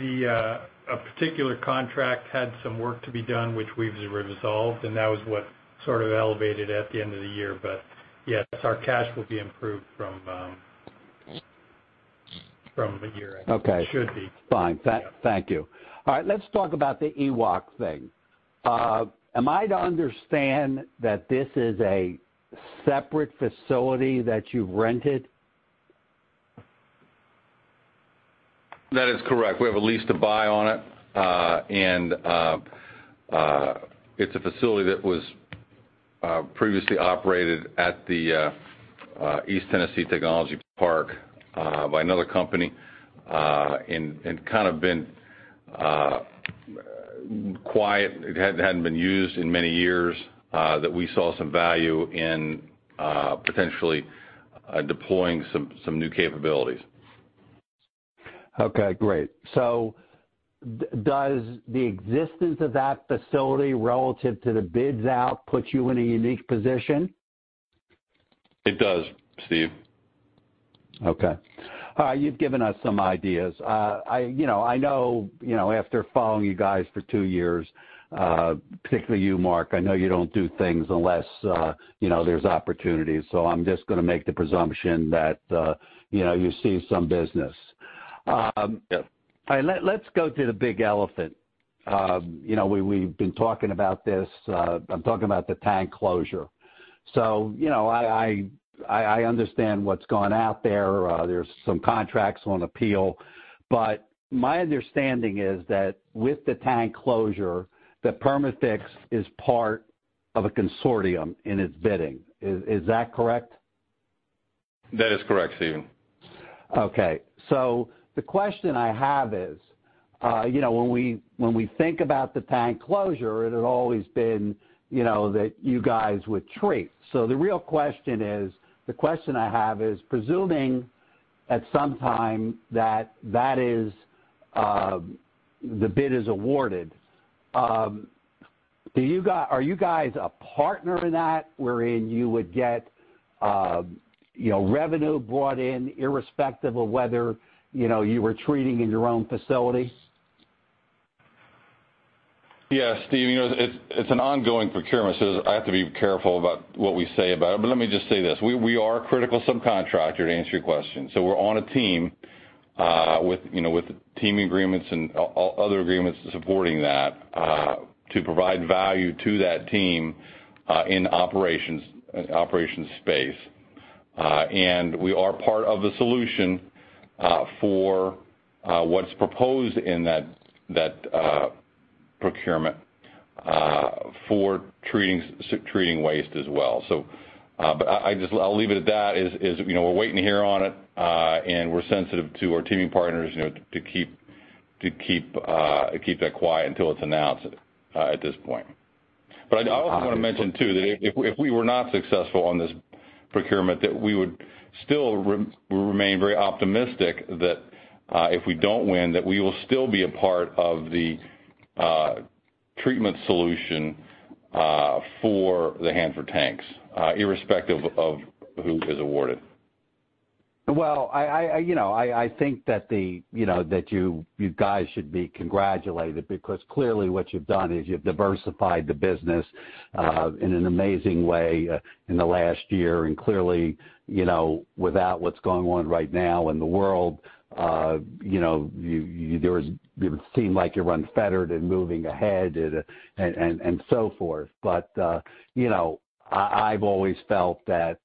A particular contract had some work to be done, which we've resolved. That was what sort of elevated at the end of the year. Yes, our cash will be improved from a year ago. Okay. It should be. Fine. Thank you. All right, let's talk about the EWOC thing. Am I to understand that this is a separate facility that you've rented? That is correct. We have a lease to buy on it. It's a facility that was previously operated at the East Tennessee Technology Park by another company, and kind of been quiet. It hadn't been used in many years, that we saw some value in potentially deploying some new capabilities. Okay, great. Does the existence of that facility relative to the bids out put you in a unique position? It does, Steve. Okay. You've given us some ideas. I know after following you guys for two years, particularly you, Mark, I know you don't do things unless there's opportunities. I'm just going to make the presumption that you see some business. Yes. All right. Let's go to the big elephant. We've been talking about this, I'm talking about the tank closure. I understand what's gone out there. There's some contracts on appeal. My understanding is that with the tank closure, that Perma-Fix is part of a consortium in its bidding. Is that correct? That is correct, Steven. Okay. The question I have is, when we think about the tank closure, it had always been that you guys would treat. The real question is, the question I have is presuming at some time that the bid is awarded, are you guys a partner in that wherein you would get revenue brought in irrespective of whether you were treating in your own facility? Yeah, Steve, it's an ongoing procurement. I have to be careful about what we say about it. Let me just say this. We are a critical subcontractor to answer your question. We're on a team with team agreements and other agreements supporting that, to provide value to that team in operations space. We are part of the solution for what's proposed in that procurement for treating waste as well. I'll leave it at that. We're waiting to hear on it, and we're sensitive to our teaming partners to keep that quiet until it's announced at this point. I also want to mention too, that if we were not successful on this procurement, that we would still remain very optimistic that if we don't win, that we will still be a part of the treatment solution for the Hanford tanks, irrespective of who is awarded. Well, I think that you guys should be congratulated because clearly what you've done is you've diversified the business in an amazing way in the last year. Clearly, without what's going on right now in the world, you seem like you run unfettered and moving ahead and so forth. I've always felt that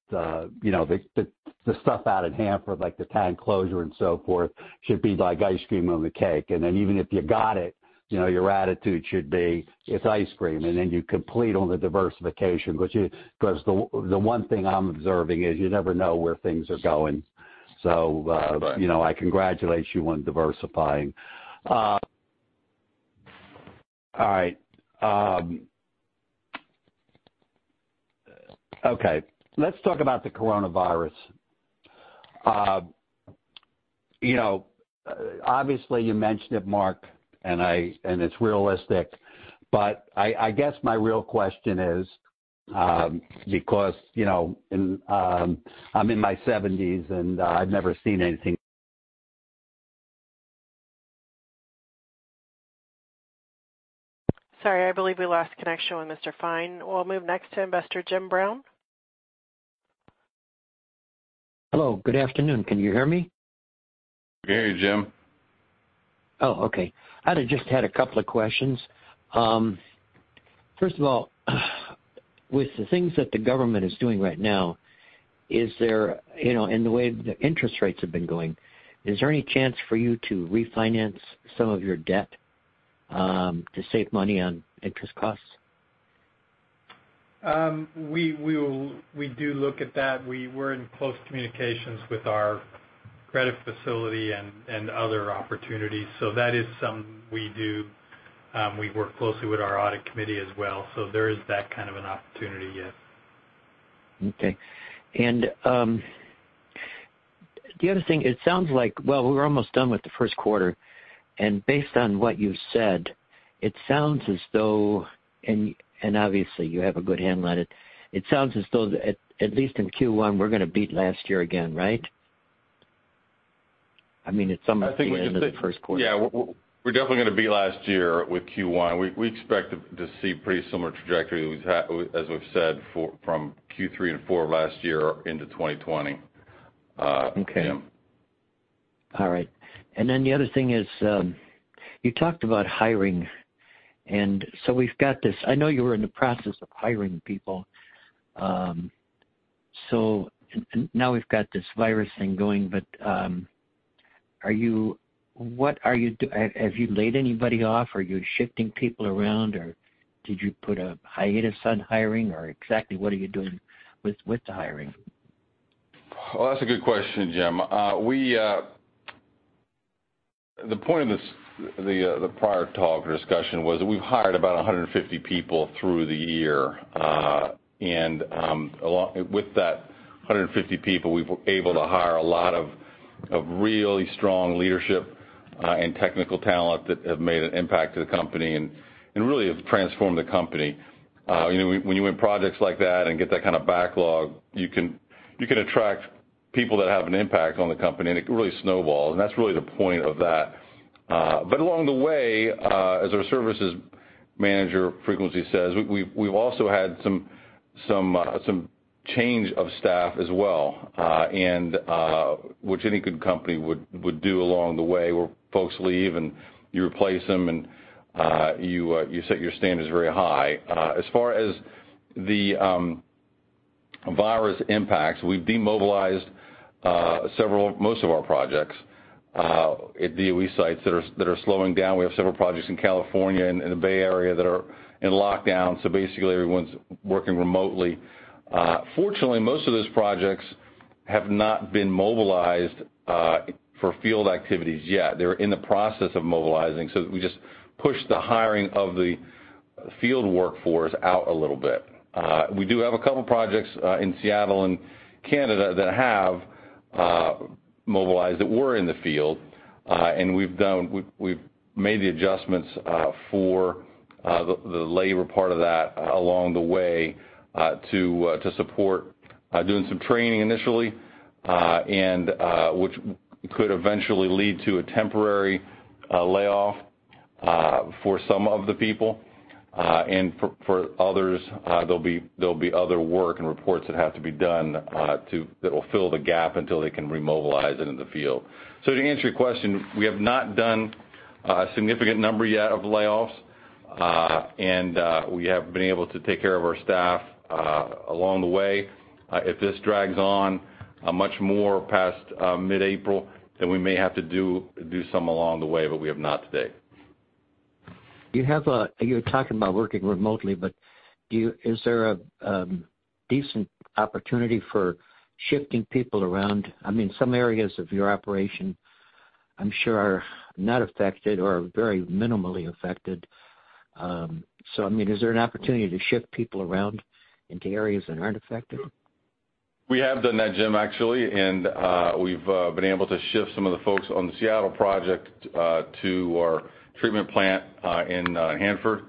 the stuff out at Hanford, like the tank closure and so forth, should be like ice cream on the cake. Even if you got it, your attitude should be, it's ice cream, you complete on the diversification. The one thing I'm observing is you never know where things are going. Right I congratulate you on diversifying. All right. Okay, let's talk about the coronavirus. Obviously, you mentioned it, Mark, and it's realistic, but I guess my real question is, because I'm in my 70s, and I've never seen anything. Sorry, I believe we lost connection with Mr. Fine. We'll move next to investor Jim Brown. Hello. Good afternoon. Can you hear me? We hear you, Jim. Oh, okay. I just had a couple of questions. First of all, with the things that the government is doing right now and the way the interest rates have been going, is there any chance for you to refinance some of your debt to save money on interest costs? We do look at that. We were in close communications with our credit facility and other opportunities. That is something we do. We work closely with our audit committee as well. There is that kind of an opportunity, yes. Okay. The other thing, it sounds like, well, we're almost done with the first quarter, based on what you've said, it sounds as though, and obviously you have a good handle on it sounds as though, at least in Q1, we're going to beat last year again, right? I mean, it's almost the end of the first quarter. We're definitely going to beat last year with Q1. We expect to see pretty similar trajectory as we've said from Q3 and Q4 last year into 2020, Jim. Okay. All right. The other thing is, you talked about hiring, and so we've got this. I know you were in the process of hiring people. Now we've got this virus thing going, but have you laid anybody off? Are you shifting people around? Did you put a hiatus on hiring? Exactly what are you doing with the hiring? Well, that's a good question, Jim. The point of the prior talk or discussion was that we've hired about 150 people through the year. With that 150 people, we've been able to hire a lot of really strong leadership and technical talent that have made an impact to the company and really have transformed the company. When you win projects like that and get that kind of backlog, you can attract people that have an impact on the company, and it can really snowball, and that's really the point of that. Along the way, as our services manager frequently says, we've also had some change of staff as well, and which any good company would do along the way, where folks leave and you replace them, and you set your standards very high. As far as the virus impacts, we've demobilized most of our projects at DOE sites that are slowing down. We have several projects in California and in the Bay Area that are in lockdown. Basically, everyone's working remotely. Fortunately, most of those projects have not been mobilized for field activities yet. They're in the process of mobilizing, so we just pushed the hiring of the field workforce out a little bit. We do have a couple projects in Seattle and Canada that have mobilized, that were in the field. We've made the adjustments for the labor part of that along the way to support doing some training initially, and which could eventually lead to a temporary layoff for some of the people. For others, there'll be other work and reports that have to be done that will fill the gap until they can remobilize it in the field. To answer your question, we have not done a significant number yet of layoffs. We have been able to take care of our staff along the way. If this drags on much more past mid-April, then we may have to do some along the way, but we have not to date. You're talking about working remotely. Is there a decent opportunity for shifting people around? Some areas of your operation, I'm sure, are not affected or are very minimally affected. Is there an opportunity to shift people around into areas that aren't affected? We have done that, Jim, actually, and we've been able to shift some of the folks on the Seattle project to our treatment plant in Hanford.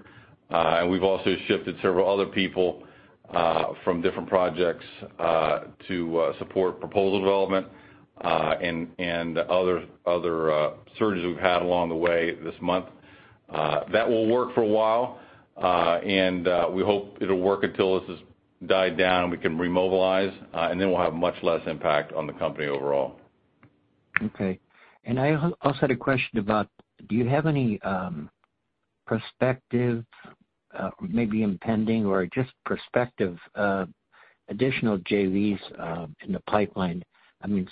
We've also shifted several other people from different projects to support proposal development and other surges we've had along the way this month. That will work for a while, and we hope it'll work until this has died down and we can remobilize, and then we'll have much less impact on the company overall. Okay. I also had a question about, do you have any perspective, maybe impending or just prospective additional JVs in the pipeline? Maybe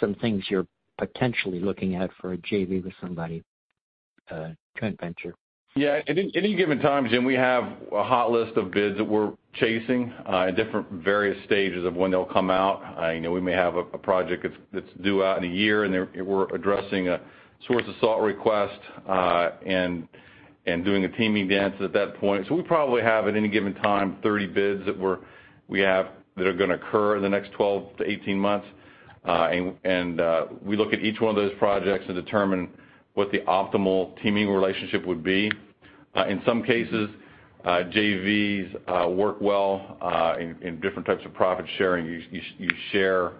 some things you're potentially looking at for a JV with somebody, a joint venture. Yeah. At any given time, Jim, we have a hot list of bids that we're chasing at different various stages of when they'll come out. We may have a project that's due out in a year, and we're addressing a sources sought request, and doing a teaming dance at that point. We probably have, at any given time, 30 bids that are going to occur in the next 12 to 18 months. We look at each one of those projects and determine what the optimal teaming relationship would be. In some cases, JVs work well in different types of profit sharing. You share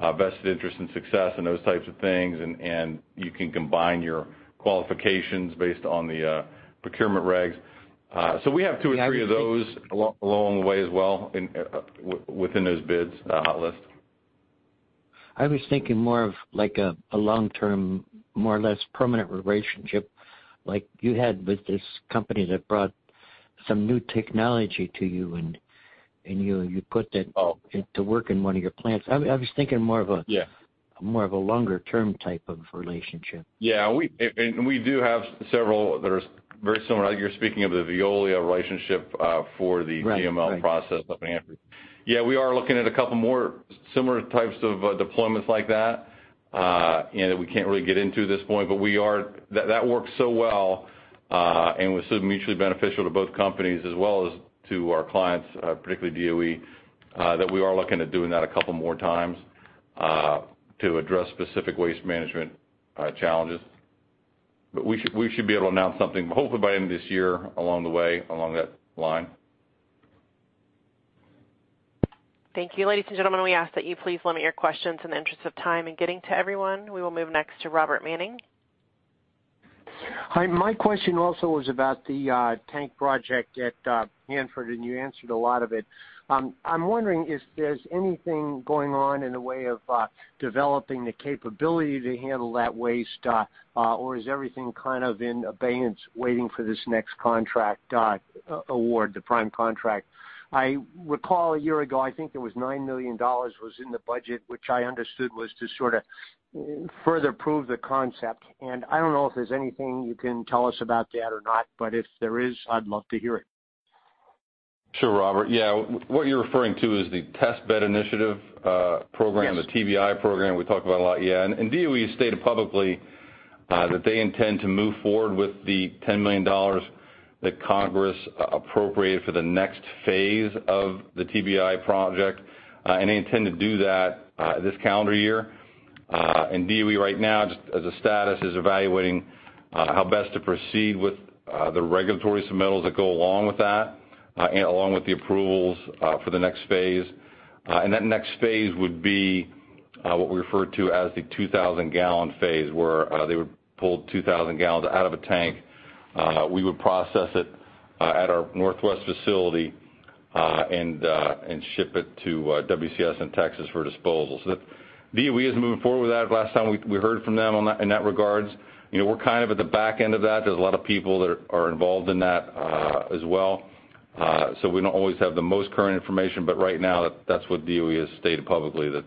vested interest and success and those types of things, and you can combine your qualifications based on the procurement regs. We have two or three of those along the way as well within those bids hot list. I was thinking more of a long-term, more or less permanent relationship like you had with this company that brought some new technology to you, and you put... Oh ...to work in one of your plants. Yeah More of a longer-term type of relationship. Yeah. We do have several that are very similar. You're speaking of the Veolia relationship for the VML process up in Hanford. Right. Yeah, we are looking at a couple more similar types of deployments like that, we can't really get into at this point, that worked so well, and was so mutually beneficial to both companies as well as to our clients, particularly DOE, that we are looking at doing that a couple more times to address specific waste management challenges. We should be able to announce something hopefully by end of this year along the way, along that line. Thank you. Ladies and gentlemen, we ask that you please limit your questions in the interest of time and getting to everyone. We will move next to Robert Manning. Hi. My question also was about the tank project at Hanford, and you answered a lot of it. I'm wondering if there's anything going on in the way of developing the capability to handle that waste, or is everything kind of in abeyance waiting for this next contract award, the prime contract? I recall a year ago, I think there was $9 million was in the budget, which I understood was to sort of further prove the concept. I don't know if there's anything you can tell us about that or not, but if there is, I'd love to hear it. Sure, Robert. Yeah. What you're referring to is the Test Bed Initiative program. Yes the TBI program we talk about a lot. Yeah. DOE stated publicly that they intend to move forward with the $10 million that Congress appropriated for the next phase of the TBI project. They intend to do that this calendar year. DOE right now, just as a status, is evaluating how best to proceed with the regulatory submittals that go along with that, and along with the approvals for the next phase. That next phase would be what we refer to as the 2,000-gallon phase, where they would pull 2,000 gal out of a tank. We would process it at our Northwest facility, and ship it to WCS in Texas for disposal. DOE is moving forward with that. Last time we heard from them in that regards. We're kind of at the back end of that. There's a lot of people that are involved in that as well. We don't always have the most current information, but right now that's what DOE has stated publicly that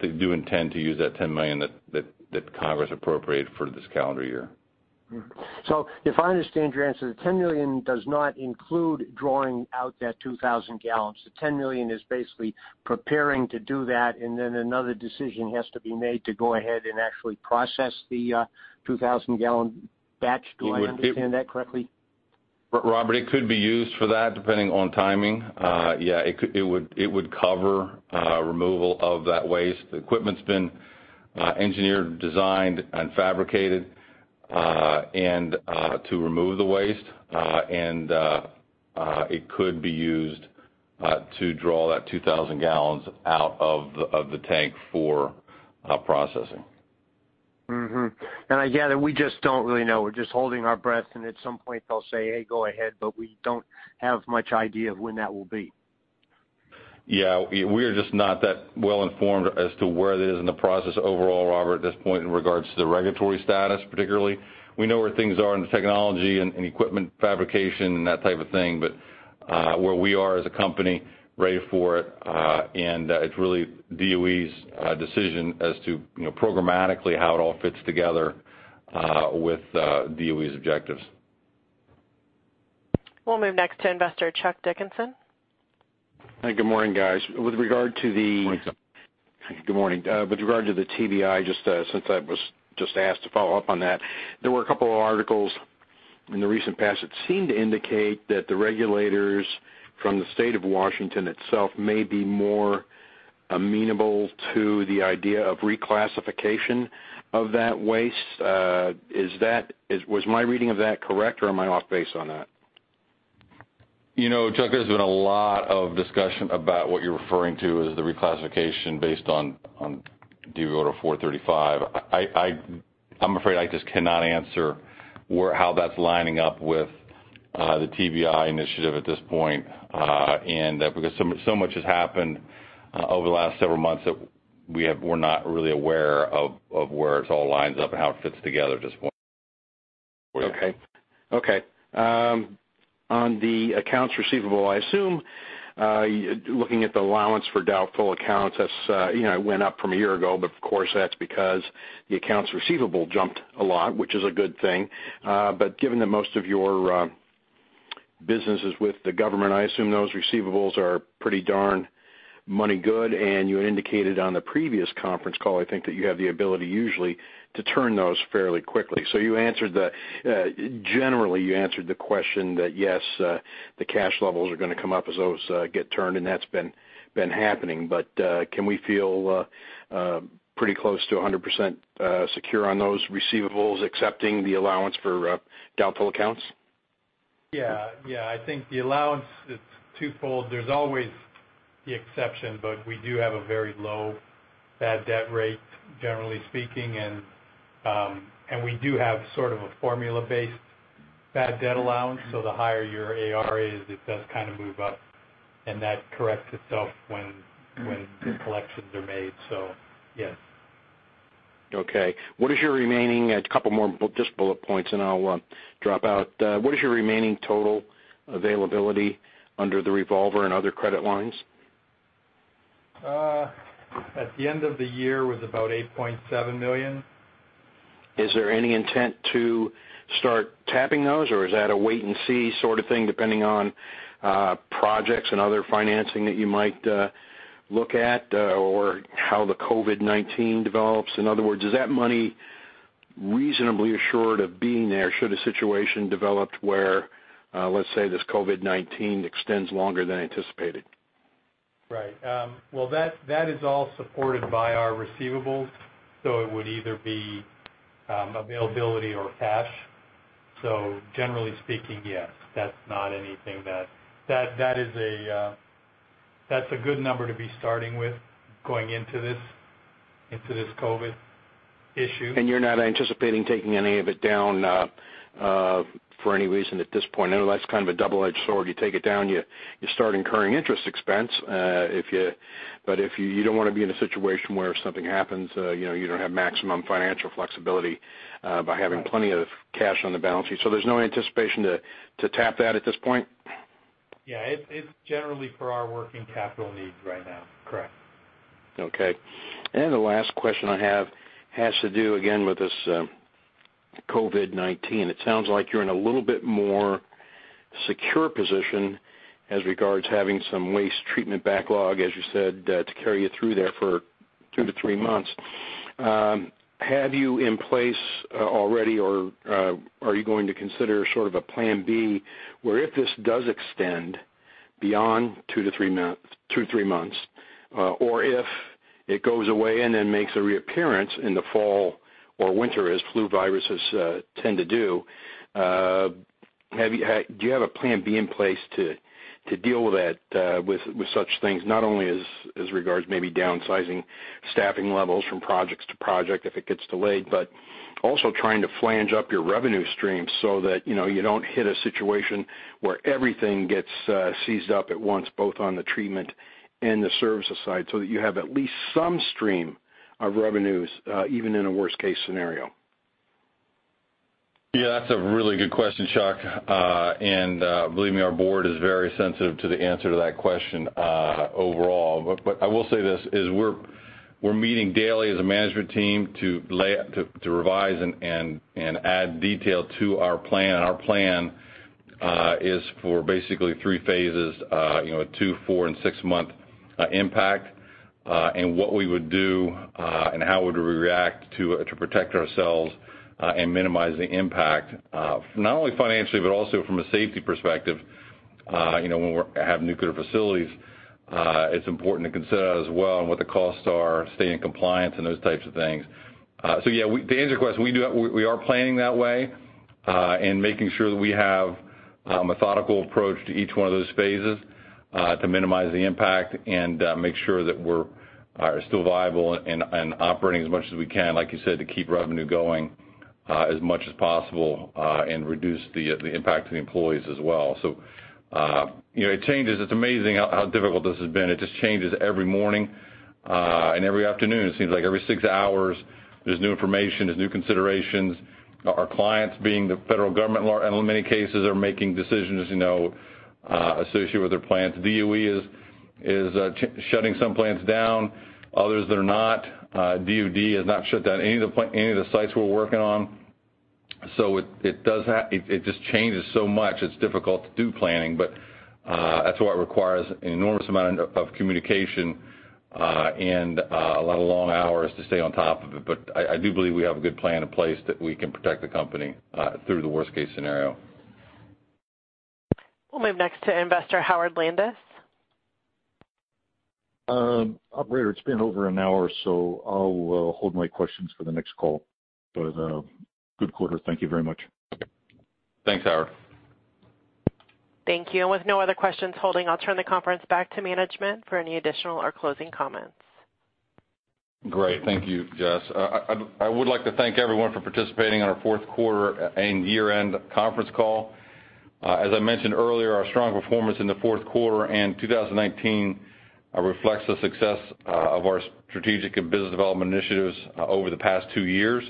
they do intend to use that $10 million that Congress appropriated for this calendar year. If I understand your answer, the $10 million does not include drawing out that 2,000 gal. The $10 million is basically preparing to do that, and then another decision has to be made to go ahead and actually process the 2,000-gallon batch. Do I understand that correctly? Robert, it could be used for that, depending on timing. Yeah, it would cover removal of that waste. The equipment's been engineered, designed, and fabricated to remove the waste. It could be used to draw that 2,000 gal out of the tank for processing. I gather we just don't really know. We're just holding our breath and at some point they'll say, "Hey, go ahead," but we don't have much idea of when that will be. We are just not that well-informed as to where that is in the process overall, Robert, at this point in regards to the regulatory status, particularly. We know where things are in the technology and equipment fabrication and that type of thing. Where we are as a company, ready for it, and it's really DOE's decision as to programmatically how it all fits together, with DOE's objectives. We'll move next to investor Chuck Dickinson. Hey, good morning, guys. Good morning. Good morning. With regard to the TBI, since I was just asked to follow up on that, there were a couple of articles in the recent past that seemed to indicate that the regulators from the state of Washington itself may be more amenable to the idea of reclassification of that waste. Was my reading of that correct, or am I off base on that? Chuck, there's been a lot of discussion about what you're referring to as the reclassification based on DOE Order 435.1. I'm afraid I just cannot answer how that's lining up with the TBI initiative at this point, because so much has happened over the last several months that we're not really aware of where this all lines up and how it fits together at this point. Okay. On the accounts receivable, I assume, looking at the allowance for doubtful accounts, that went up from a year ago, of course, that's because the accounts receivable jumped a lot, which is a good thing. Given that most of your business is with the government, I assume those receivables are pretty darn money good, and you had indicated on the previous conference call, I think, that you have the ability usually to turn those fairly quickly. Generally, you answered the question that, yes, the cash levels are going to come up as those get turned, and that's been happening. Can we feel pretty close to 100% secure on those receivables, excepting the allowance for doubtful accounts? I think the allowance is twofold. There's always the exception, but we do have a very low bad debt rate, generally speaking, and we do have sort of a formula-based bad debt allowance, so the higher your AR is, it does kind of move up, and that corrects itself when collections are made. Yes. Okay. A couple more just bullet points, and I'll drop out. What is your remaining total availability under the revolver and other credit lines? At the end of the year, it was about $8.7 million. Is there any intent to start tapping those, or is that a wait-and-see sort of thing, depending on projects and other financing that you might look at, or how the COVID-19 develops? In other words, is that money reasonably assured of being there should a situation develop where, let's say, this COVID-19 extends longer than anticipated? Right. Well, that is all supported by our receivables, so it would either be availability or cash. Generally speaking, yes. That's a good number to be starting with going into this COVID issue. You're not anticipating taking any of it down for any reason at this point? I know that's kind of a double-edged sword. You take it down, you start incurring interest expense, but you don't want to be in a situation where something happens, you don't have maximum financial flexibility by having plenty of cash on the balance sheet. There's no anticipation to tap that at this point? Yeah. It's generally for our working capital needs right now. Correct. Okay. The last question I have has to do, again, with this COVID-19. It sounds like you're in a little bit more secure position as regards having some waste treatment backlog, as you said, to carry you through there for two to three months. Have you in place already, or are you going to consider sort of a plan B where if this does extend beyond two to three months, or if it goes away and then makes a reappearance in the fall or winter as flu viruses tend to do you have a plan B in place to deal with such things? Not only as regards maybe downsizing staffing levels from projects to project if it gets delayed, but also trying to flange up your revenue stream so that you don't hit a situation where everything gets seized up at once, both on the treatment and the services side, so that you have at least some stream of revenues, even in a worst-case scenario. Yeah. That's a really good question, Chuck. Believe me, our board is very sensitive to the answer to that question overall. I will say this, is we're meeting daily as a management team to revise and add detail to our plan. Our plan is for basically three phases, a two, four, and six-month impact, and what we would do and how would we react to protect ourselves and minimize the impact, not only financially, but also from a safety perspective. When we have nuclear facilities, it's important to consider that as well and what the costs are, staying in compliance, and those types of things. Yeah, to answer your question, we are planning that way, and making sure that we have a methodical approach to each one of those phases, to minimize the impact and make sure that we're still viable and operating as much as we can, like you said, to keep revenue going as much as possible, and reduce the impact to the employees as well. It changes. It's amazing how difficult this has been. It just changes every morning and every afternoon. It seems like every six hours, there's new information, there's new considerations. Our clients, being the federal government in many cases, are making decisions associated with their plants. DOE is shutting some plants down. Others, they're not. DOD has not shut down any of the sites we're working on. It just changes so much, it's difficult to do planning. That's why it requires an enormous amount of communication, and a lot of long hours to stay on top of it. I do believe we have a good plan in place that we can protect the company through the worst-case scenario. We'll move next to investor Howard Landis. Operator, it's been over an hour. I'll hold my questions for the next call. Good quarter. Thank you very much. Thanks, Howard. Thank you. With no other questions holding, I'll turn the conference back to management for any additional or closing comments. Great. Thank you, Jess. I would like to thank everyone for participating on our fourth quarter and year-end conference call. As I mentioned earlier, our strong performance in the fourth quarter and 2019 reflects the success of our strategic and business development initiatives over the past two years.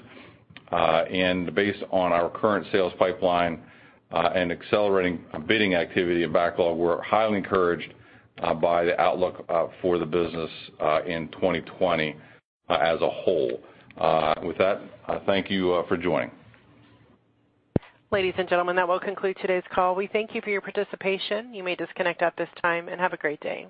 Based on our current sales pipeline and accelerating bidding activity and backlog, we're highly encouraged by the outlook for the business in 2020 as a whole. With that, I thank you for joining. Ladies and gentlemen, that will conclude today's call. We thank you for your participation. You may disconnect at this time, and have a great day.